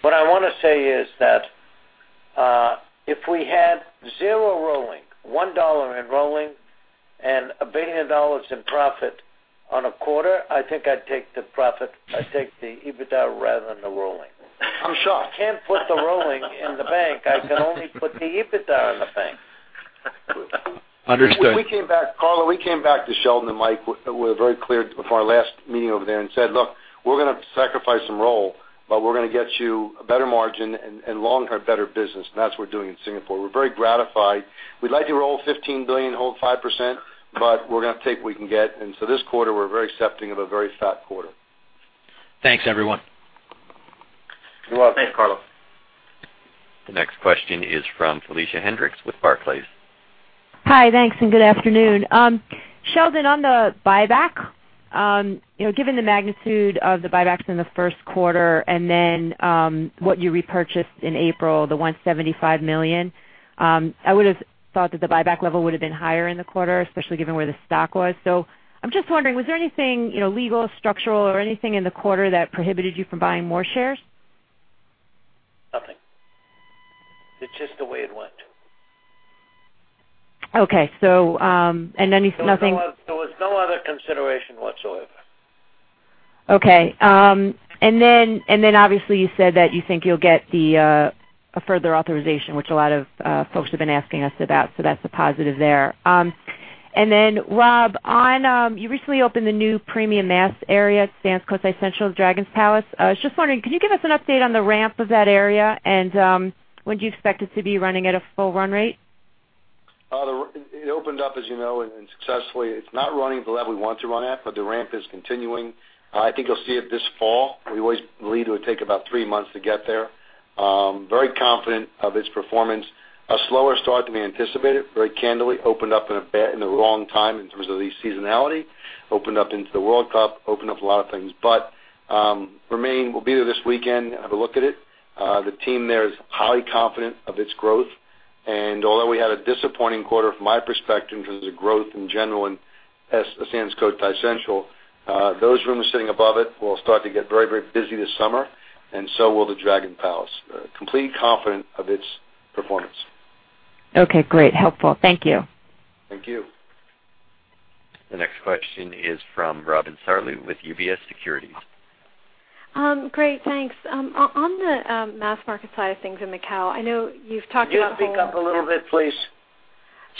S3: What I want to say is that if we had zero rolling, $1 in rolling and $1 billion in profit on a quarter, I think I'd take the profit. I'd take the EBITDA rather than the rolling. I'm shocked. Can't put the rolling in the bank. I can only put the EBITDA in the bank.
S5: Understood. We came back, Carlo. We came back to Sheldon and Mike. We were very clear before our last meeting over there and said, "Look, we're going to sacrifice some roll, we're going to get you a better margin and long-term better business." That's what we're doing in Singapore. We're very gratified. We'd like to roll $15 billion, hold 5%, we're going to take what we can get. This quarter, we're very accepting of a very fat quarter. Thanks, everyone. You're welcome.
S3: Thanks, Carlo.
S1: The next question is from Felicia Hendrix with Barclays.
S10: Hi, thanks, and good afternoon. Sheldon, on the buyback, given the magnitude of the buybacks in the first quarter and then, what you repurchased in April, the $175 million, I would've thought that the buyback level would've been higher in the quarter, especially given where the stock was. I'm just wondering, was there anything, legal, structural or anything in the quarter that prohibited you from buying more shares?
S3: Nothing. It's just the way it went.
S10: Okay.
S3: There was no other consideration whatsoever.
S10: Okay. You said that you think you'll get a further authorization, which a lot of folks have been asking us about. That's a positive there. Rob, you recently opened the new premium mass area at Sands Cotai Central's Dragon Palace. I was just wondering, can you give us an update on the ramp of that area, and when do you expect it to be running at a full run rate?
S5: It opened up, as you know, and successfully. It's not running at the level we want to run at, but the ramp is continuing. I think you'll see it this fall. We always believe it would take about three months to get there. Very confident of its performance. A slower start than we anticipated. Very candidly, opened up in the wrong time in terms of the seasonality. Opened up into the World Cup, opened up a lot of things. We'll be there this weekend, have a look at it. The team there is highly confident of its growth. Although we had a disappointing quarter from my perspective in terms of growth in general in Sands Cotai Central, those rooms sitting above it will start to get very, very busy this summer, and so will the Dragon Palace. Completely confident of its performance.
S10: Okay, great. Helpful. Thank you.
S5: Thank you.
S1: The next question is from Robin Farley with UBS Securities.
S11: Great, thanks. On the mass market side of things in Macau, I know you've talked about
S3: Can you speak up a little bit, please?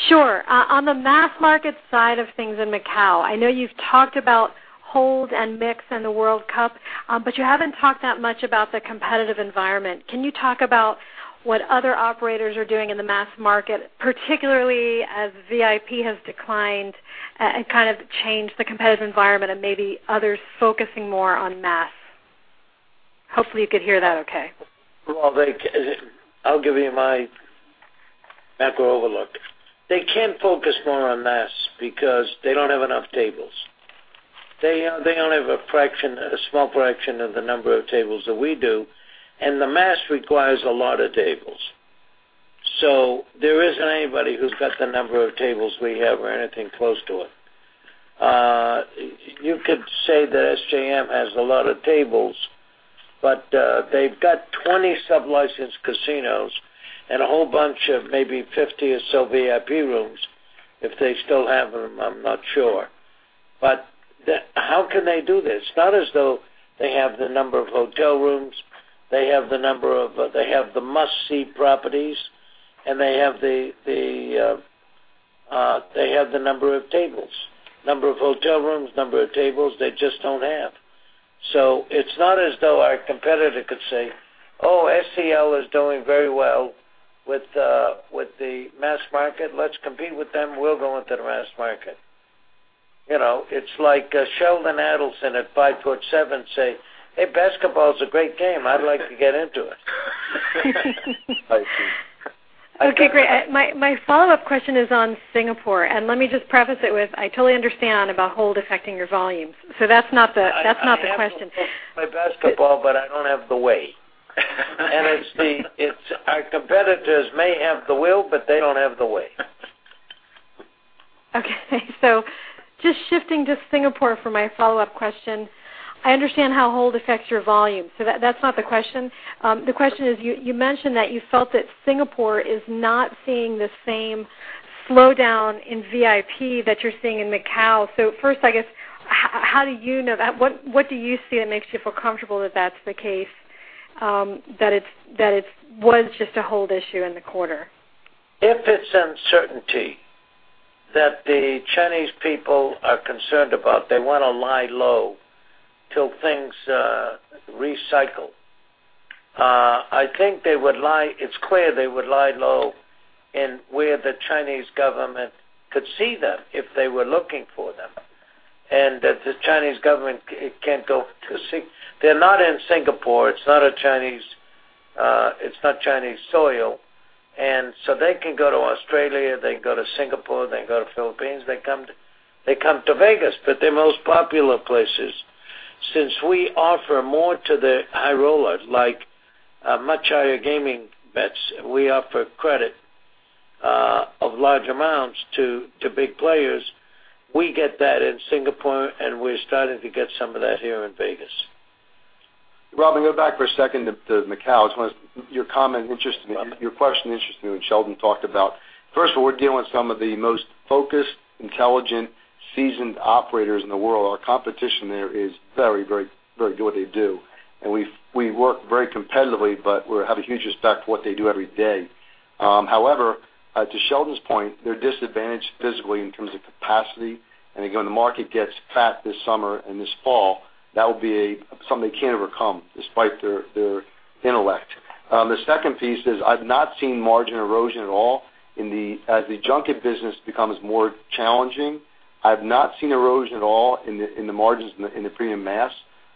S11: Sure. On the mass market side of things in Macau, I know you've talked about hold and mix in the World Cup. You haven't talked that much about the competitive environment. Can you talk about what other operators are doing in the mass market, particularly as VIP has declined, and kind of changed the competitive environment and maybe others focusing more on mass? Hopefully, you could hear that okay.
S3: Robin, I'll give you my macro overlook. They can't focus more on mass because they don't have enough tables. They only have a small fraction of the number of tables that we do, and the mass requires a lot of tables. There isn't anybody who's got the number of tables we have or anything close to it. You could say that SJM has a lot of tables, but they've got 20 sub-licensed casinos and a whole bunch of maybe 50 or so VIP rooms, if they still have them. I'm not sure. How can they do this? It's not as though they have the number of hotel rooms. They have the must-see properties, and they have the number of tables. Number of hotel rooms, number of tables, they just don't have. It's not as though our competitor could say, "Oh, SCL is doing very well with the mass market. Let's compete with them. We'll go into the mass market." It's like Sheldon Adelson at Five Foot Seven say, "Hey, basketball's a great game. I'd like to get into it.
S11: Okay, great. My follow-up question is on Singapore, and let me just preface it with, I totally understand about hold affecting your volumes. That's not the question.
S3: I have my basketball, but I don't have the way. Our competitors may have the will, but they don't have the way.
S11: Okay. Just shifting to Singapore for my follow-up question. I understand how hold affects your volume. That's not the question. The question is, you mentioned that you felt that Singapore is not seeing the same slowdown in VIP that you're seeing in Macau. First, what do you see that makes you feel comfortable that that's the case, that it was just a hold issue in the quarter?
S3: If it's uncertainty that the Chinese people are concerned about, they want to lie low till things recycle. I think it's clear they would lie low in where the Chinese government could see them if they were looking for them, and that the Chinese government can't go to see. They're not in Singapore. It's not Chinese soil, they can go to Australia, they can go to Singapore, they can go to Philippines. They come to Vegas, but they're most popular places. Since we offer more to the high roller, like much higher gaming bets, and we offer credit of large amounts to big players. We get that in Singapore, and we're starting to get some of that here in Vegas.
S5: Robin, go back for a second to Macau. Your question interested me when Sheldon talked about. First of all, we're dealing with some of the most focused, intelligent, seasoned operators in the world. Our competition there is very good at what they do, and we work very competitively, but we have a huge respect for what they do every day. However, to Sheldon's point, they're disadvantaged physically in terms of capacity, and again, the market gets fat this summer and this fall. That would be something they can't overcome despite their intellect. The second piece is I've not seen margin erosion at all. As the junket business becomes more challenging, I've not seen erosion at all in the margins in the premium mass.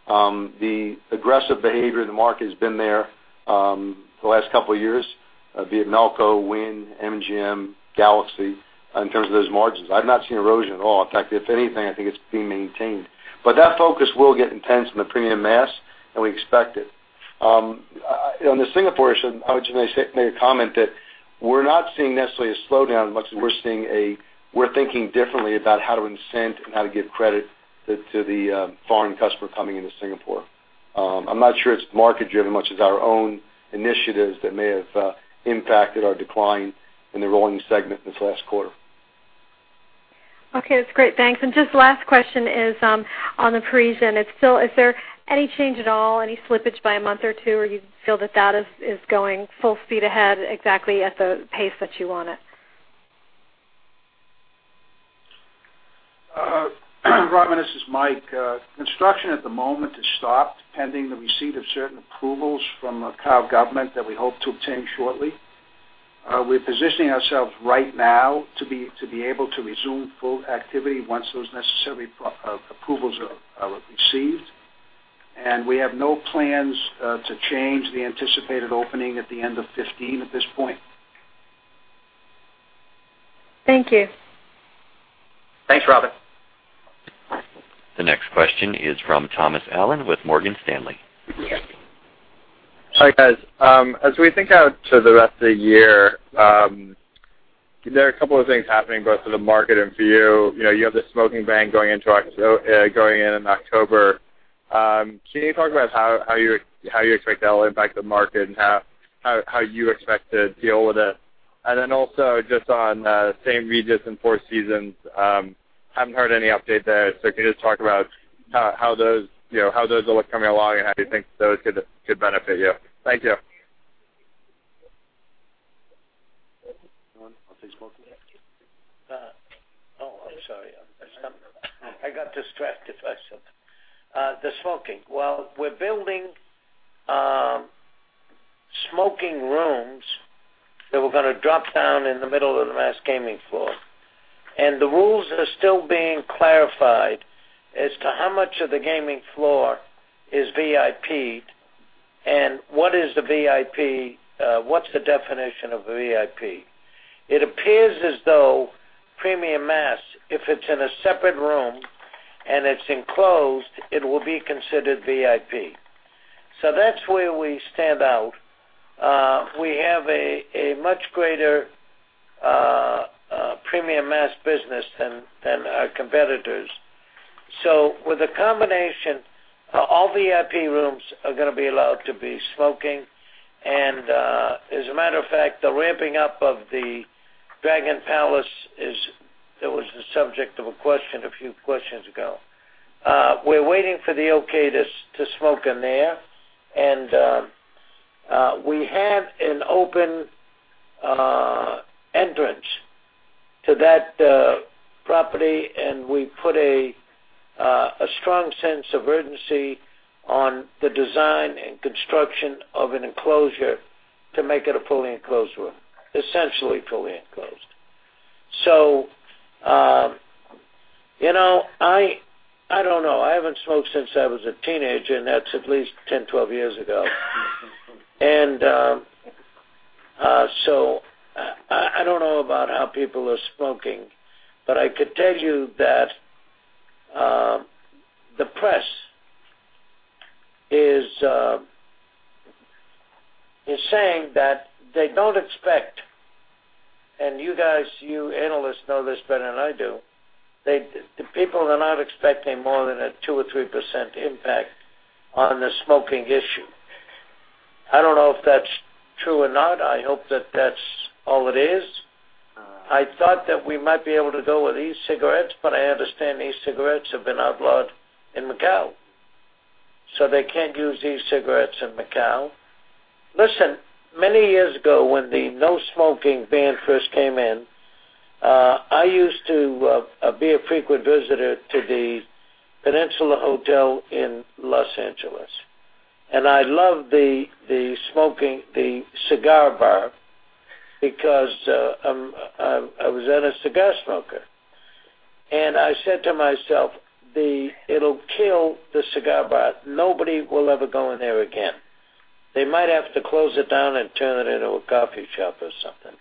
S5: The aggressive behavior in the market has been there the last couple of years, be it Melco, Wynn, MGM, Galaxy, in terms of those margins. I've not seen erosion at all. In fact, if anything, I think it's being maintained. That focus will get intense in the premium mass, and we expect it. On the Singapore issue, I would just make a comment that we're not seeing necessarily a slowdown as much as we're thinking differently about how to incent and how to give credit to the foreign customer coming into Singapore. I'm not sure it's market-driven much as our own initiatives that may have impacted our decline in the rolling segment this last quarter.
S11: Okay, that's great. Thanks. Just last question is on The Parisian. Is there any change at all, any slippage by a month or two, or you feel that is going full speed ahead exactly at the pace that you want it?
S8: Robin, this is Mike. Construction at the moment has stopped pending the receipt of certain approvals from Macau Government that we hope to obtain shortly. We're positioning ourselves right now to be able to resume full activity once those necessary approvals are received. We have no plans to change the anticipated opening at the end of 2015 at this point.
S11: Thank you.
S5: Thanks, Robin.
S1: The next question is from Thomas Allen with Morgan Stanley.
S12: Hi, guys. As we think out to the rest of the year, there are a couple of things happening both to the market and for you. You have the smoking ban going in October. Can you talk about how you expect that'll impact the market and how you expect to deal with it? Also, just on the St. Regis and Four Seasons, haven't heard any update there, so can you just talk about how those are coming along and how you think those could benefit you? Thank you.
S3: Oh, I'm sorry. I got distracted by something. The smoking. Well, we're building smoking rooms that we're going to drop down in the middle of the mass gaming floor. The rules are still being clarified as to how much of the gaming floor is VIP, and what's the definition of a VIP. It appears as though premium mass, if it's in a separate room and it's enclosed, it will be considered VIP. That's where we stand out. We have a much greater premium mass business than our competitors. With a combination, all VIP rooms are going to be allowed to be smoking. As a matter of fact, the ramping up of the Dragon Palace, it was the subject of a question a few questions ago. We're waiting for the okay to smoke in there. We have an open entrance to that property. We put a strong sense of urgency on the design and construction of an enclosure to make it a fully enclosed room. Essentially fully enclosed. I don't know. I haven't smoked since I was a teenager, and that's at least 10, 12 years ago. I don't know about how people are smoking, but I could tell you that the press is saying that they don't expect, and you guys, you analysts know this better than I do, the people are not expecting more than a 2% or 3% impact on the smoking issue. I don't know if that's true or not. I hope that that's all it is. I thought that we might be able to go with e-cigarettes, but I understand e-cigarettes have been outlawed in Macau, so they can't use e-cigarettes in Macau. Listen, many years ago, when the no-smoking ban first came in, I used to be a frequent visitor to the Peninsula Hotel in Los Angeles. I loved the cigar bar because I was then a cigar smoker. I said to myself, "It'll kill the cigar bar. Nobody will ever go in there again. They might have to close it down and turn it into a coffee shop or something."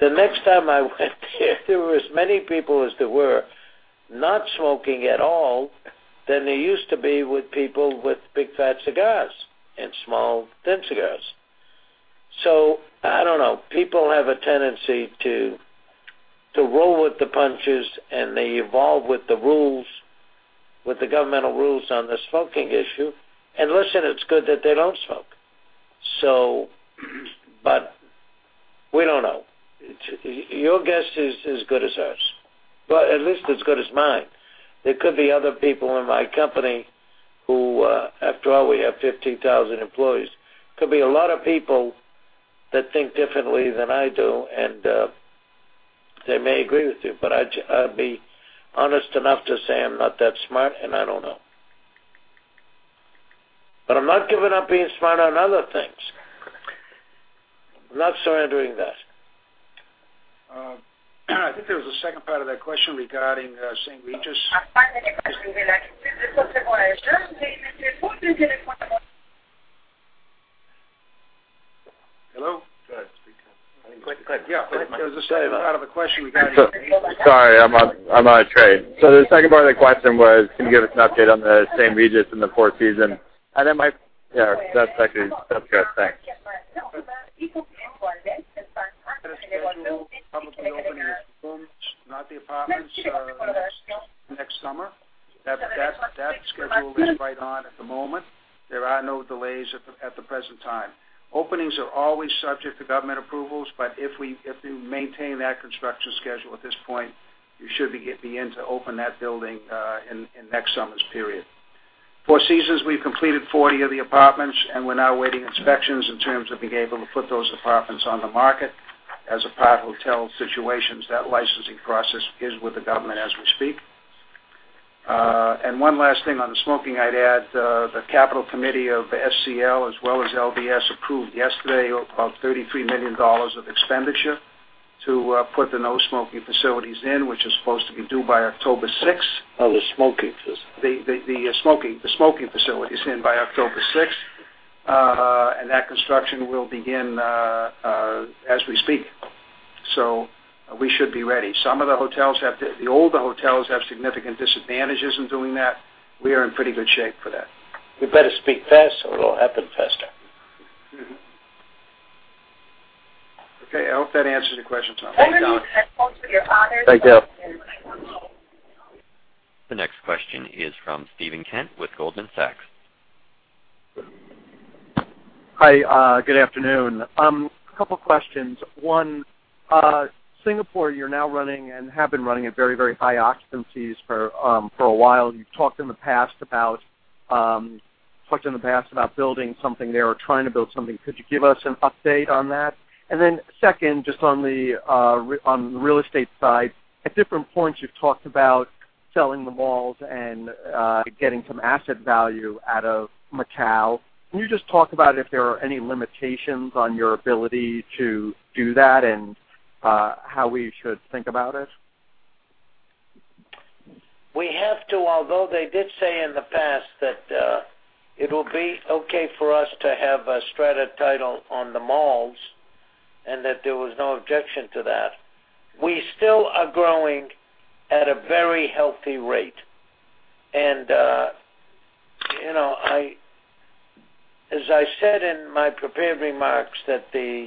S3: The next time I went there there were as many people as there were not smoking at all than there used to be with people with big, fat cigars and small, thin cigars. I don't know. People have a tendency to roll with the punches, and they evolve with the governmental rules on the smoking issue. Listen, it's good that they don't smoke. We don't know. Your guess is as good as ours. At least as good as mine. There could be other people in my company who, after all, we have 15,000 employees. Could be a lot of people that think differently than I do, and they may agree with you, but I'll be honest enough to say I'm not that smart, and I don't know. I'm not giving up being smart on other things. I'm not surrendering that.
S8: I think there was a second part of that question regarding St. Regis. Hello?
S3: Go ahead. Speak up.
S8: Yeah. There was a second part of the question regarding.
S12: Sorry, I'm on a trade. The second part of the question was, can you give us an update on the St. Regis and The Four Seasons? That's good. Thanks.
S8: Okay. We're scheduled probably to open the rooms, not the apartments, next summer. That schedule is right on at the moment. There are no delays at the present time. Openings are always subject to government approvals, but if we maintain that construction schedule at this point, we should be getting in to open that building in next summer's period. Four Seasons, we've completed 40 of the apartments, and we're now awaiting inspections in terms of being able to put those apartments on the market. As a part of hotel situations, that licensing process is with the government as we speak. One last thing on the smoking, I'd add the capital committee of SCL as well as LVS approved yesterday of about $33 million of expenditure to put the no-smoking facilities in, which is supposed to be due by October 6.
S3: Oh, the smoking facilities.
S8: The smoking facilities in by October 6th. That construction will begin as we speak. We should be ready. Some of the older hotels have significant disadvantages in doing that. We are in pretty good shape for that.
S3: We better speak fast, so it'll happen faster.
S8: Okay, I hope that answers your question, Tom.
S3: Thank you, Tom.
S12: Thank you.
S1: The next question is from Steven Kent with Goldman Sachs.
S13: Hi. Good afternoon. A couple questions. One, Singapore, you're now running and have been running at very, very high occupancies for a while. You've talked in the past about building something there or trying to build something. Could you give us an update on that? Then second, just on the real estate side, at different points, you've talked about selling the malls and getting some asset value out of Macau. Can you just talk about if there are any limitations on your ability to do that and how we should think about it?
S3: We have to, although they did say in the past that it will be okay for us to have a strata title on the malls and that there was no objection to that. We still are growing at a very healthy rate. As I said in my prepared remarks, that the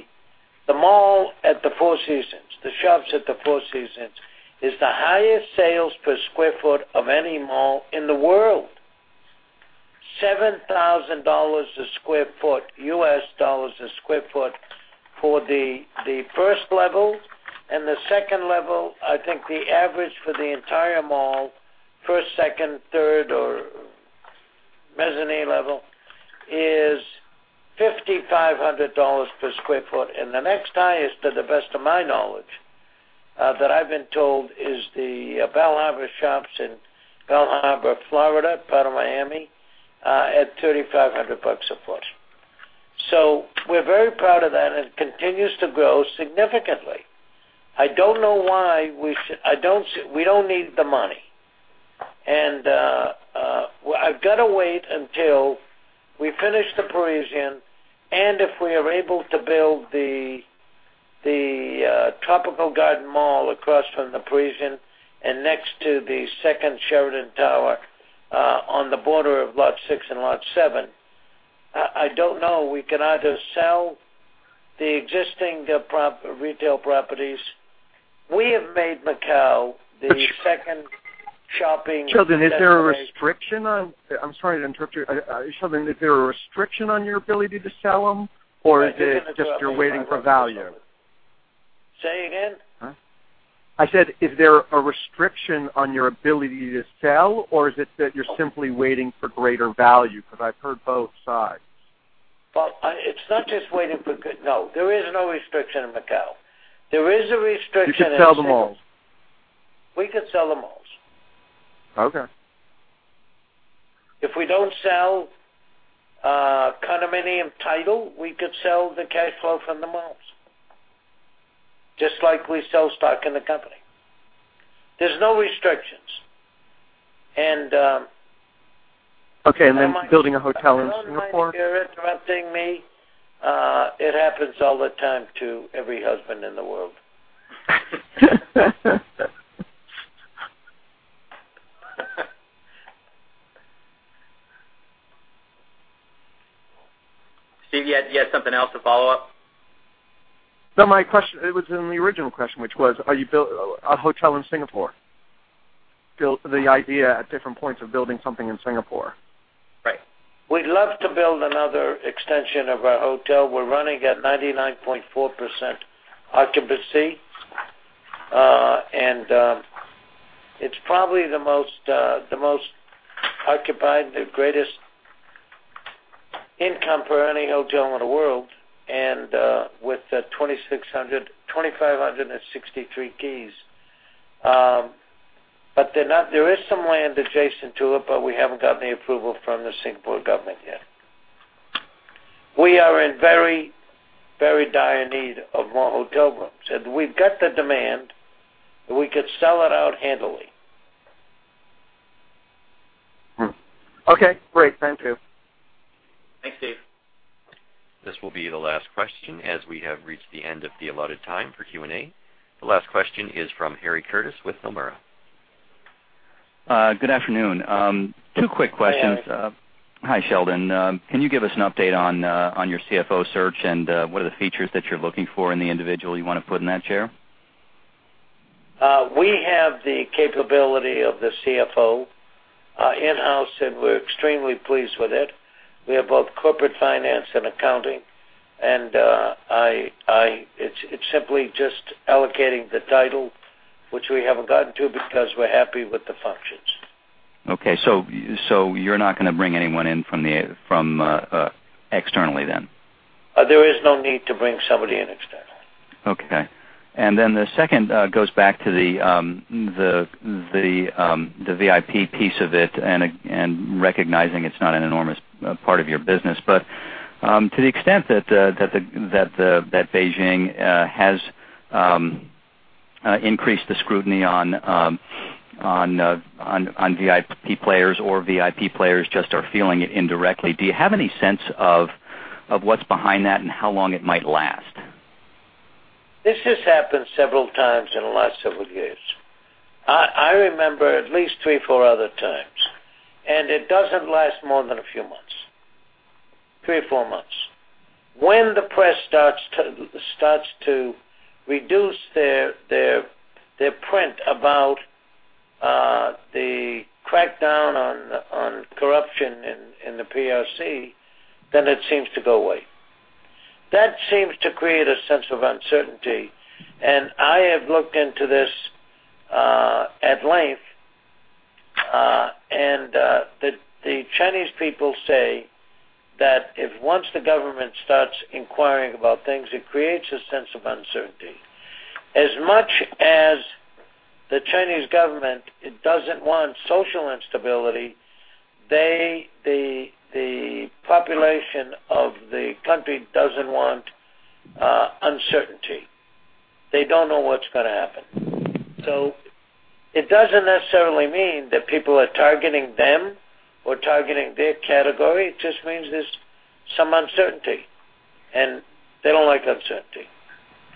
S3: mall at The Shoppes at Four Seasons, The Shoppes at Four Seasons, is the highest sales per square foot of any mall in the world. $7,000 a square foot, US dollars a square foot for level 1 and level 2. I think the average for the entire mall level 1, level 2, level 3, or mezzanine level is $5,500 per square foot. The next highest, to the best of my knowledge, that I've been told, is The Bal Harbour Shops in Bal Harbour, Florida, part of Miami, at $3,500 a foot. We're very proud of that, and it continues to grow significantly. I don't know why. We don't need the money. I've got to wait until we finish The Parisian, and if we are able to build the Tropical Garden Mall across from The Parisian and next to the second Sheraton Tower on the border of lot 6 and lot 7. I don't know. We can either sell the existing retail properties. We have made Macau the second shopping destination.
S13: Sheldon, is there a restriction on I'm sorry to interrupt you. Sheldon, is there a restriction on your ability to sell them, or is it just you're waiting for value?
S3: Say again.
S13: I said, is there a restriction on your ability to sell or is it that you're simply waiting for greater value? Because I've heard both sides.
S3: Well, it's not just waiting for good. No, there is no restriction in Macau. There is a restriction in Singapore.
S13: You could sell the malls.
S3: We could sell the malls.
S13: Okay.
S3: If we don't sell condominium title, we could sell the cash flow from the malls, just like we sell stock in the company. There's no restrictions.
S13: Okay. Building a hotel in Singapore.
S3: I don't mind you're interrupting me. It happens all the time to every husband in the world.
S2: Steve, you had something else to follow up?
S13: No, my question, it was in the original question, which was, are you building a hotel in Singapore? The idea at different points of building something in Singapore.
S3: Right. We'd love to build another extension of our hotel. We're running at 99.4% occupancy. It's probably the most occupied, the greatest income for any hotel in the world, and with 2,563 keys. There is some land adjacent to it, but we haven't gotten the approval from the Singapore government yet. We are in very dire need of more hotel rooms, and we've got the demand, and we could sell it out handily.
S13: Okay, great. Thank you.
S2: Thanks, Steve.
S1: This will be the last question as we have reached the end of the allotted time for Q&A. The last question is from Harry Curtis with Nomura.
S14: Good afternoon. Two quick questions.
S3: Hi, Harry.
S14: Hi, Sheldon. Can you give us an update on your CFO search and what are the features that you're looking for in the individual you want to put in that chair?
S3: We have the capability of the CFO in-house, and we're extremely pleased with it. We have both corporate finance and accounting. It's simply just allocating the title, which we haven't gotten to because we're happy with the functions.
S14: Okay. You're not going to bring anyone in from externally then?
S3: There is no need to bring somebody in externally.
S14: Okay. The second goes back to the VIP piece of it and recognizing it's not an enormous part of your business, but to the extent that Beijing has increased the scrutiny on VIP players or VIP players just are feeling it indirectly, do you have any sense of what's behind that and how long it might last?
S3: This has happened several times in the last several years. I remember at least three, four other times, and it doesn't last more than a few months, three or four months. When the press starts to reduce their print about the crackdown on corruption in the PRC, then it seems to go away. That seems to create a sense of uncertainty, and I have looked into this at length. The Chinese people say that if once the government starts inquiring about things, it creates a sense of uncertainty. As much as the Chinese government doesn't want social instability, the population of the country doesn't want uncertainty. They don't know what's going to happen. It doesn't necessarily mean that people are targeting them or targeting their category. It just means there's some uncertainty, and they don't like uncertainty.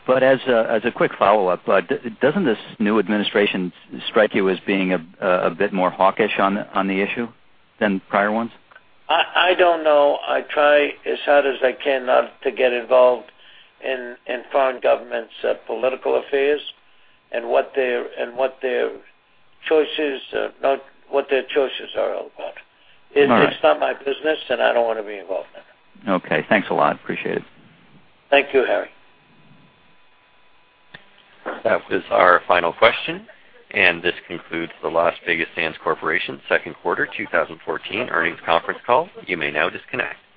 S14: As a quick follow-up, but doesn't this new administration strike you as being a bit more hawkish on the issue than prior ones?
S3: I don't know. I try as hard as I can not to get involved in foreign governments' political affairs and what their choices are all about.
S14: All right.
S3: It's not my business, and I don't want to be involved in it.
S14: Okay. Thanks a lot. Appreciate it.
S3: Thank you, Harry.
S1: That was our final question, and this concludes the Las Vegas Sands Corp. second quarter 2014 earnings conference call. You may now disconnect.